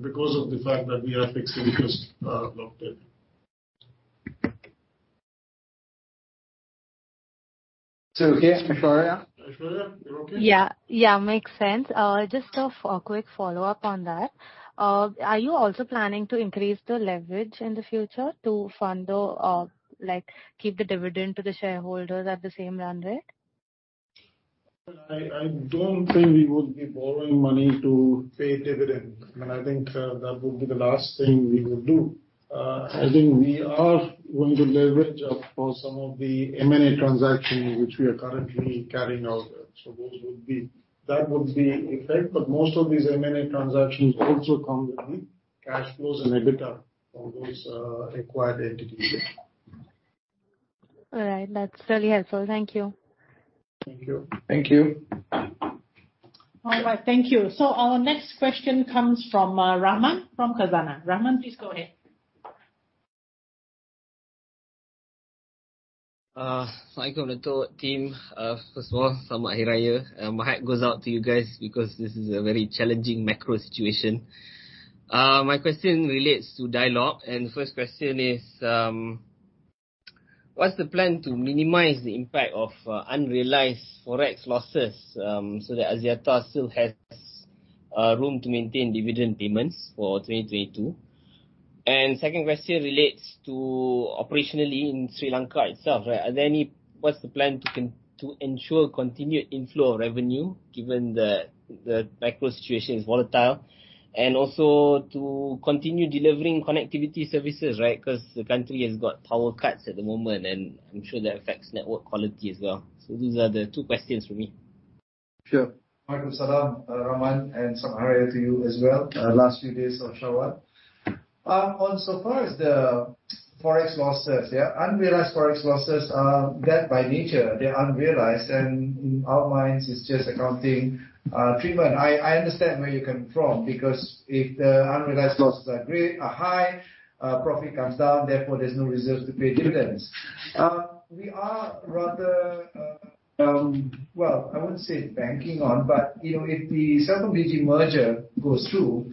because of the fact that we are fixed because locked in. It's okay, Aishwarya? Aishwarya, you're okay? Yeah. Yeah, makes sense. Just a quick follow-up on that. Are you also planning to increase the leverage in the future to fund the, like, keep the dividend to the shareholders at the same run rate? I don't think we would be borrowing money to pay dividend. I mean, I think that would be the last thing we would do. I think we are going to leverage up for some of the M&A transactions which we are currently carrying out. That would be the effect. Most of these M&A transactions also come with cash flows and EBITDA for those acquired entities. All right. That's really helpful. Thank you. Thank you. Thank you. All right. Thank you. Our next question comes from Rahman from Khazanah. Rahman, please go ahead. Team. First of all, my heart goes out to you guys because this is a very challenging macro situation. My question relates to Dialog, and first question is, what's the plan to minimize the impact of unrealized Forex losses, so that Axiata still has room to maintain dividend payments for 2022? Second question relates to operationally in Sri Lanka itself, right? What's the plan to ensure continued inflow of revenue given that the macro situation is volatile and also to continue delivering connectivity services, right? 'Cause the country has got power cuts at the moment, and I'm sure that affects network quality as well. Those are the two questions from me. Sure. Rahman, and to you as well, last few days of Shawwal. As far as the Forex losses, yeah, unrealized Forex losses are debt by nature. They're unrealized, and in our minds it's just accounting treatment. I understand where you're coming from because if the unrealized losses are great or high, profit comes down, therefore there's no reserves to pay dividends. We are rather, well, I wouldn't say banking on, but you know, if the CelcomDigi Berhad merger goes through,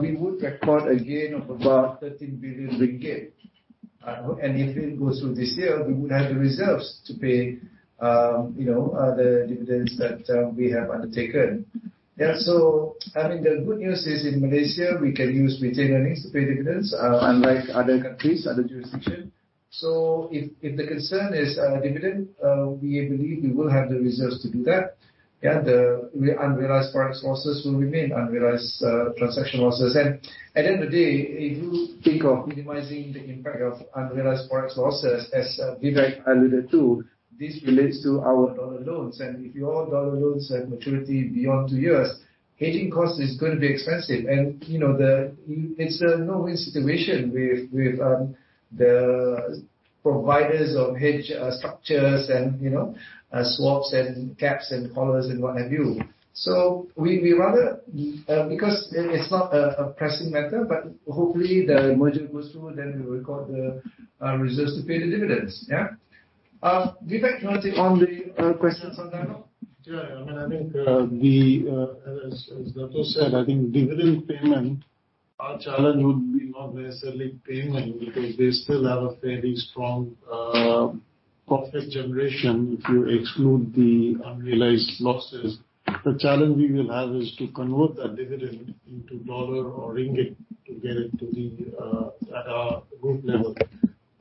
we would record a gain of about 13 billion ringgit. And if it goes through this year, we would have the reserves to pay, you know, the dividends that we have undertaken. Yeah. I mean, the good news is, in Malaysia, we can use retained earnings to pay dividends, unlike other countries, other jurisdiction. If the concern is dividend, we believe we will have the reserves to do that. Yeah. The unrealized Forex losses will remain unrealized transaction losses. At the end of the day, if you think of minimizing the impact of unrealized Forex losses, as Vivek alluded to, this relates to our dollar loans. If your dollar loans have maturity beyond two years, hedging cost is gonna be expensive. You know, it's a no-win situation with the providers of hedge structures and, you know, swaps and caps and collars and what have you. We rather because it's not a pressing matter, but hopefully the merger goes through, then we record the reserves to pay the dividends. Yeah. Vivek, do you wanna take on the questions on Dialog? Sure. I mean, I think, as Dato' said, I think dividend payment, our challenge would be not necessarily payment because we still have a fairly strong profit generation if you exclude the unrealized losses. The challenge we will have is to convert that dividend into dollar or ringgit to get it to our group level.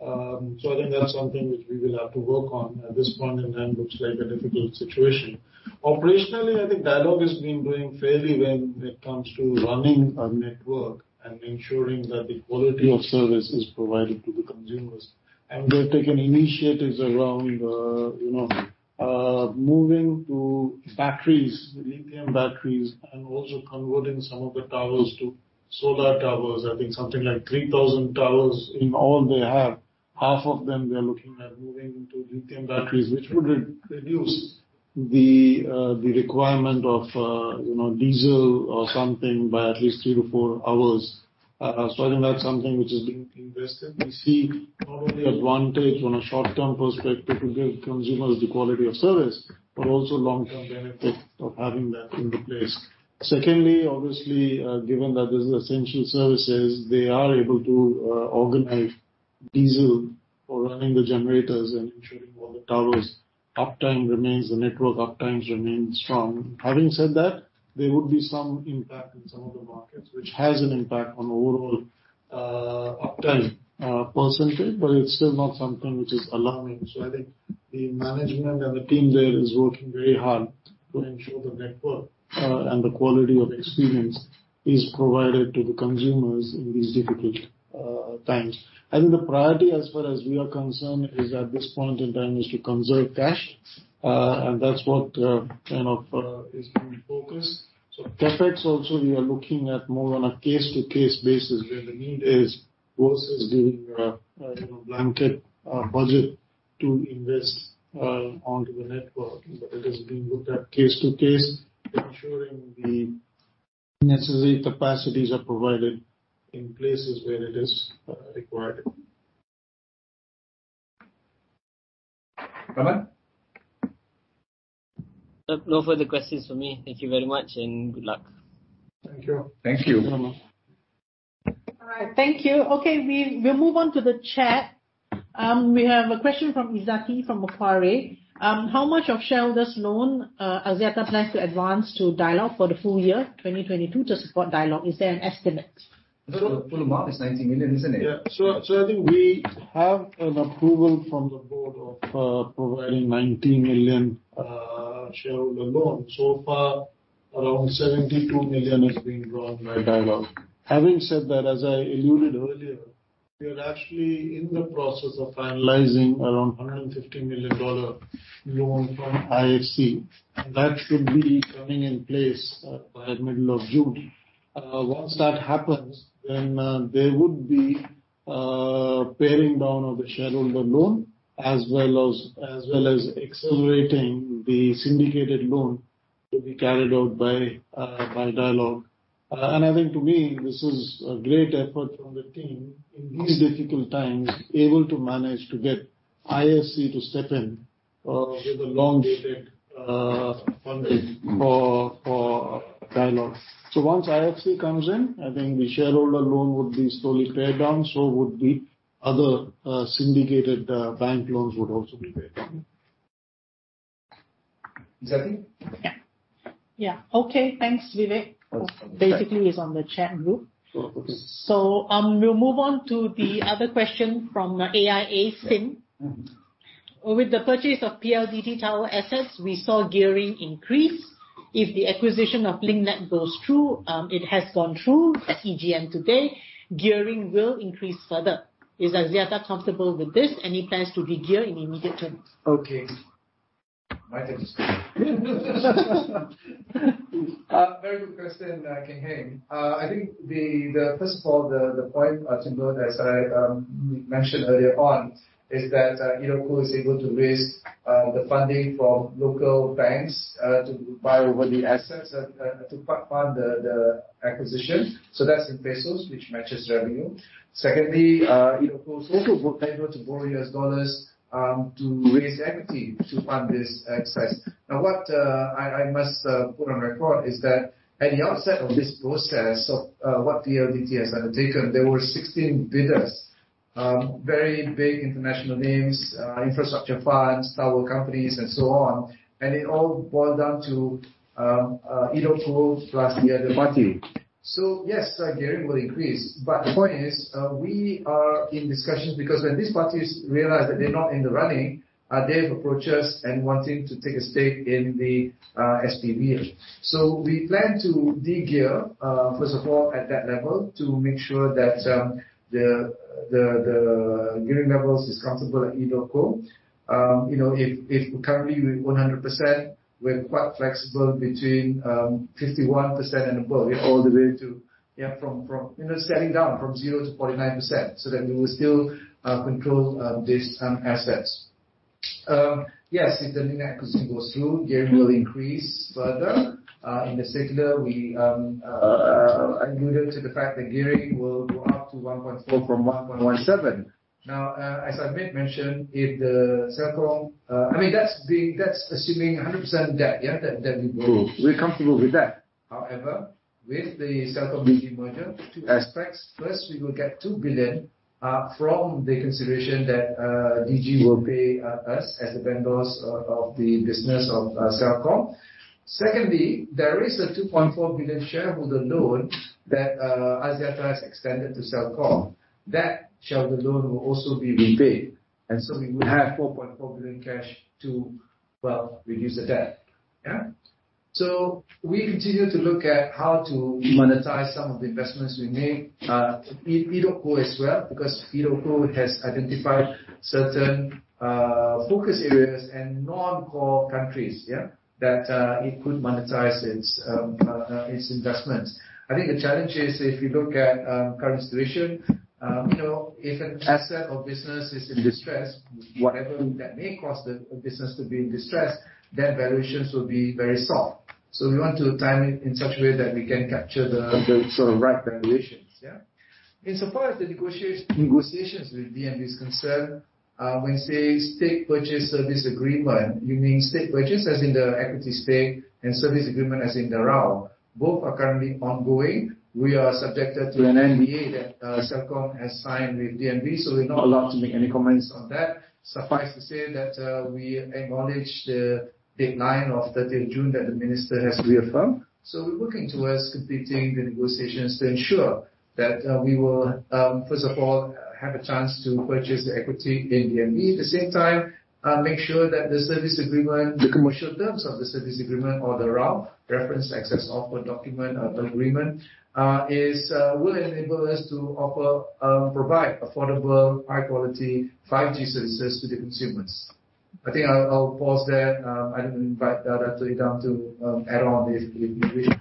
I think that's something which we will have to work on at this point in time. Looks like a difficult situation. Operationally, I think Dialog has been doing fairly well when it comes to running a network and ensuring that the quality of service is provided to the consumers. They've taken initiatives around, you know, moving to batteries, lithium batteries, and also converting some of the towers to solar towers. I think something like 3,000 towers in all they have. Half of them, they are looking at moving into lithium batteries, which would reduce the requirement of you know, diesel or something by at least three to four hours. I think that's something which is being invested. We see not only advantage from a short-term perspective to give consumers the quality of service, but also long-term benefit of having that into place. Secondly, obviously, given that this is essential services, they are able to organize diesel for running the generators and ensuring all the towers uptime remains, the network uptimes remain strong. Having said that, there would be some impact in some of the markets which has an impact on the overall uptime percentage, but it's still not something which is alarming. I think the management and the team there is working very hard to ensure the network, and the quality of experience is provided to the consumers in these difficult times. I think the priority as far as we are concerned is, at this point in time, is to conserve cash, and that's what kind of is being focused. CapEx also we are looking at more on a case-to-case basis where the need is versus giving a, you know, blanket budget to invest onto the network. But it is being looked at case to case, ensuring the necessary capacities are provided in places where it is required. Rahman? Sir, no further questions for me. Thank you very much, and good luck. Thank you. Thank you. All right. Thank you. Okay, we'll move on to the chat. We have a question from Izzati from Macquarie. How much of shareholder's loan Axiata plans to advance to Dialog for the full year 2022 to support Dialog? Is there an estimate? Full amount is $90 million, isn't it? Yeah. I think we have an approval from the board of providing $90 million shareholder loan. So far, around $72 million is being drawn by Dialog. Having said that, as I alluded earlier, we are actually in the process of finalizing around $150 million loan from IFC, and that should be coming in place by middle of June. Once that happens, there would be paring down of the shareholder loan as well as accelerating the syndicated loan to be carried out by Dialog. I think to me, this is a great effort from the team in these difficult times, able to manage to get IFC to step in with the long-dated funding for Dialog. Once IFC comes in, I think the shareholder loan would be slowly pared down, so would the other syndicated bank loans would also be pared down. Izzati? Yeah. Okay. Thanks, Vivek. Basically, it's on the chat group. Sure. We'll move on to the other question from AIA, Finn. Mm-hmm. With the purchase of PLDT tower assets, we saw gearing increase. If the acquisition of Link Net goes through, it has gone through EGM today, gearing will increase further. Is Axiata comfortable with this? Any plans to de-gear in immediate terms? Okay. My turn to speak. Very good question, Kian Heng. I think the point, as I mentioned earlier on, is that edotco is able to raise the funding from local banks to buy over the assets to part-fund the acquisition. That's in pesos, which matches revenue. Secondly, edotco is also able to borrow U.S. dollars to raise equity to fund this acquisition. Now, what I must put on record is that at the outset of this process of what PLDT has undertaken, there were 16 bidders, very big international names, infrastructure funds, tower companies and so on, and it all boiled down to edotco plus the other party. Yes, gearing will increase, but the point is, we are in discussions because when these parties realized that they're not in the running, they've approached us and wanting to take a stake in the SPV. We plan to de-gear, first of all, at that level to make sure that the gearing levels is comfortable at edotco. You know, if currently we're 100%, we're quite flexible between 51% and above all the way to. Yeah, from, you know, scaling down from 0% to 49%, so that we will still control this assets. Yes, if the Link Net goes through, gearing will increase further. In the circular, we alluded to the fact that gearing will go up to 1.4% from 1.17%. Now, as I made mention, I mean, that's assuming 100% debt, yeah, that we borrowed. True. We're comfortable with that. However, with the CelcomDigi merger, two aspects. First, we will get 2 billion from the consideration that Digi will pay us as the vendors of the business of Celcom. Secondly, there is a 2.4 billion shareholder loan that Axiata has extended to Celcom. That shareholder loan will also be repaid. We will have 4.4 billion cash to, well, reduce the debt. Yeah? We continue to look at how to monetize some of the investments we make. Edotco as well, because edotco has identified certain focus areas and non-core countries, yeah, that it could monetize its investments. I think the challenge is if you look at current situation, you know, if an asset or business is in distress, whatever that may cause the business to be in distress, their valuations will be very soft. So we want to time it in such a way that we can capture the sort of right valuations, yeah? In so far as the negotiations with DNB is concerned, when you say state purchase service agreement, you mean state purchase as in the equity stake and service agreement as in the RAU. Both are currently ongoing. We are subjected to an NDA that Celcom has signed with DNB, so we're not allowed to make any comments on that. Suffice to say that we acknowledge the deadline of June 30 that the minister has reaffirmed. We're working towards completing the negotiations to ensure that we will first of all have a chance to purchase the equity in DNB. At the same time, make sure that the service agreement, the commercial terms of the service agreement or the RAU, Reference Access Offer document, the agreement, will enable us to provide affordable, high quality 5G services to the consumers. I think I'll pause there. I'll invite Dato' Idham to add on this if you wish.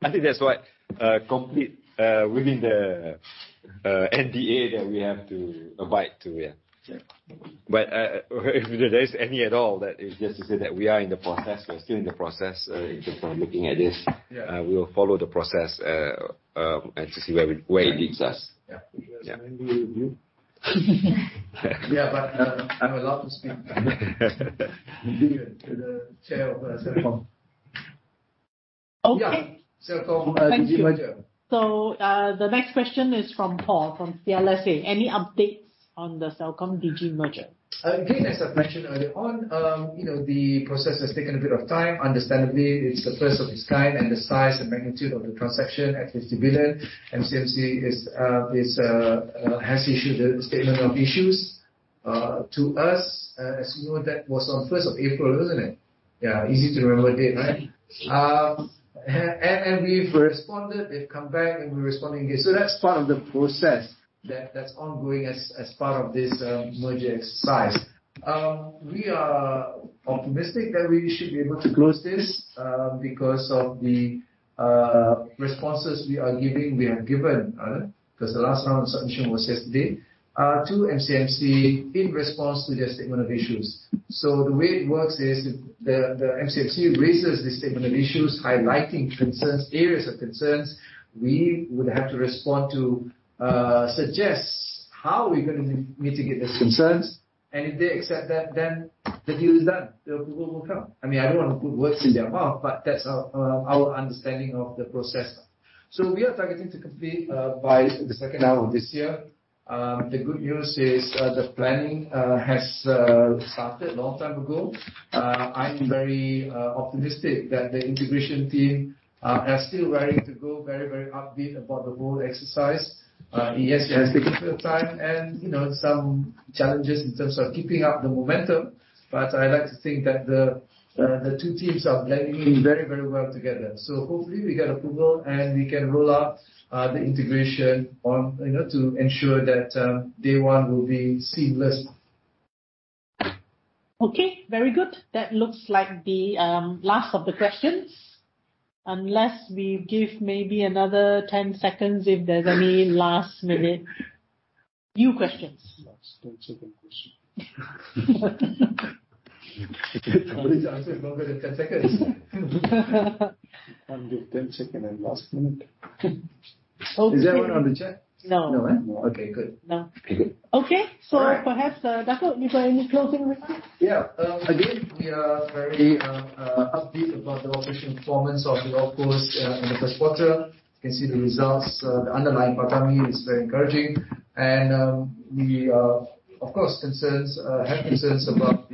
I think that's what completes within the NDA that we have to abide to, yeah. Yeah. If there's any at all, that is just to say that we are in the process. We're still in the process in terms of looking at this. Yeah. We will follow the process and to see where it leads us. We trust NDA review, but I'm allowed to speak to the Chair of Celcom. Okay. Yeah. CelcomDigi Berhad merger. Thank you. The next question is from Paul, from CLSA. Any updates on the CelcomDigi Berhad merger? Again, as I've mentioned earlier on, you know, the process has taken a bit of time. Understandably, it's the first of its kind and the size and magnitude of the transaction at 50 billion. MCMC has issued a statement of issues to us. As you know, that was on April 1st, wasn't it? Yeah, easy to remember date, right? We've responded. They've come back, and we're responding again. That's part of the process that's ongoing as part of this merger exercise. We are optimistic that we should be able to close this because of the responses we are giving, we have given, 'cause the last round of submission was yesterday to MCMC in response to their statement of issues. The way it works is the MCMC raises the statement of issues, highlighting concerns, areas of concerns. We would have to respond to, suggest how we're gonna mitigate those concerns. If they accept that, then the deal is done. The approval will come. I mean, I don't wanna put words in their mouth, but that's our understanding of the process. We are targeting to complete by the second half of this year. The good news is the planning has started long time ago. I'm very optimistic that the integration team are still raring to go, very, very upbeat about the whole exercise. Yes, it has taken some time and, you know, some challenges in terms of keeping up the momentum, but I like to think that the two teams are blending in very, very well together. Hopefully we get approval, and we can roll out the integration on, you know, to ensure that day one will be seamless. Okay, very good. That looks like the last of the questions, unless we give maybe another 10 seconds if there's any last-minute new questions. Last 10-second question. I always answer longer than 10 seconds. The 10-second and last minute. Okay. Is there one on the chat? No. No one? No. Okay, good. No. Okay. Okay. Perhaps, Dato', if you have any closing remarks. Yeah. Again, we are very upbeat about the operational performance of the group of course in the first quarter. You can see the results. The underlying PATAMI is very encouraging. We have concerns about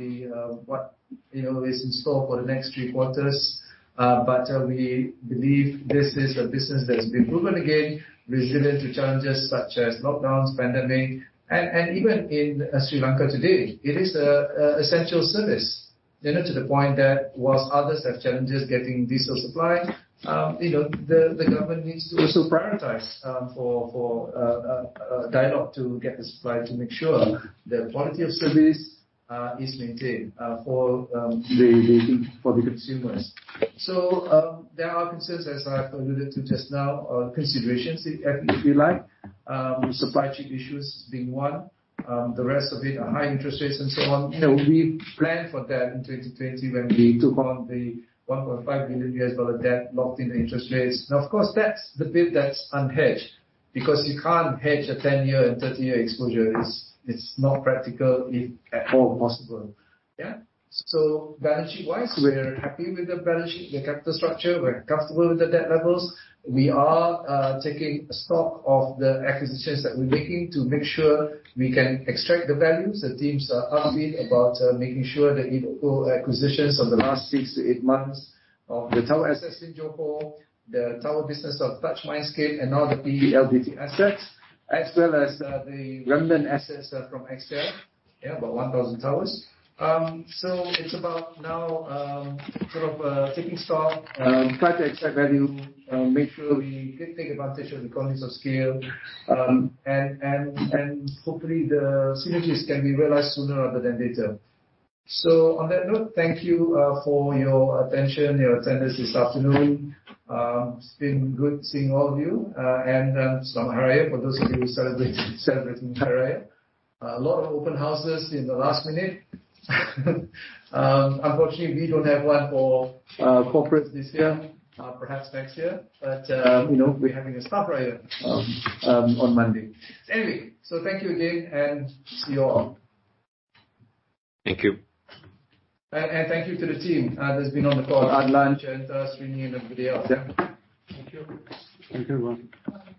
what you know is in store for the next three quarters. We believe this is a business that has been proven again resilient to challenges such as lockdowns, pandemic, and even in Sri Lanka today. It is an essential service you know to the point that while others have challenges getting diesel supply you know the government needs to also prioritize for Dialog to get the supply to make sure the quality of service is maintained for the consumers. There are concerns, as I've alluded to just now, considerations, if you like, supply chain issues being one. The rest of it are high interest rates and so on. You know, we planned for that in 2020 when we took on the $1.5 billion U.S. dollar debt locked in the interest rates. Now, of course, that's the bit that's unhedged because you can't hedge a 10-year and 30-year exposure. It's not practical, if at all possible. Yeah. Balance sheet-wise, we're happy with the balance sheet, the capital structure. We're comfortable with the debt levels. We are taking stock of the acquisitions that we're making to make sure we can extract the values. The teams are upbeat about making sure that, you know, acquisitions of the last six to eight months of the tower assets in Johor, the tower business of Touch Mindscape and all the PLDT assets, as well as the remnant assets from Axiata. Yeah, about 1,000 towers. It's about now sort of taking stock, try to extract value, make sure we did take advantage of the economies of scale. Hopefully the synergies can be realized sooner rather than later. On that note, thank you for your attention, your attendance this afternoon. It's been good seeing all of you. Selamat Hari Raya for those of you celebrating Hari Raya. A lot of open houses in the last minute. Unfortunately, we don't have one for corporates this year. Perhaps next year. You know, we're having a staff Raya on Monday. Anyway, so thank you again, and see you all. Thank you. Thank you to the team that's been on the call. Adlan Tajudin, Shireen Kandiah, Srinivas Gattamneni, and everybody else. Yeah. Thank you. Thank you. Bye.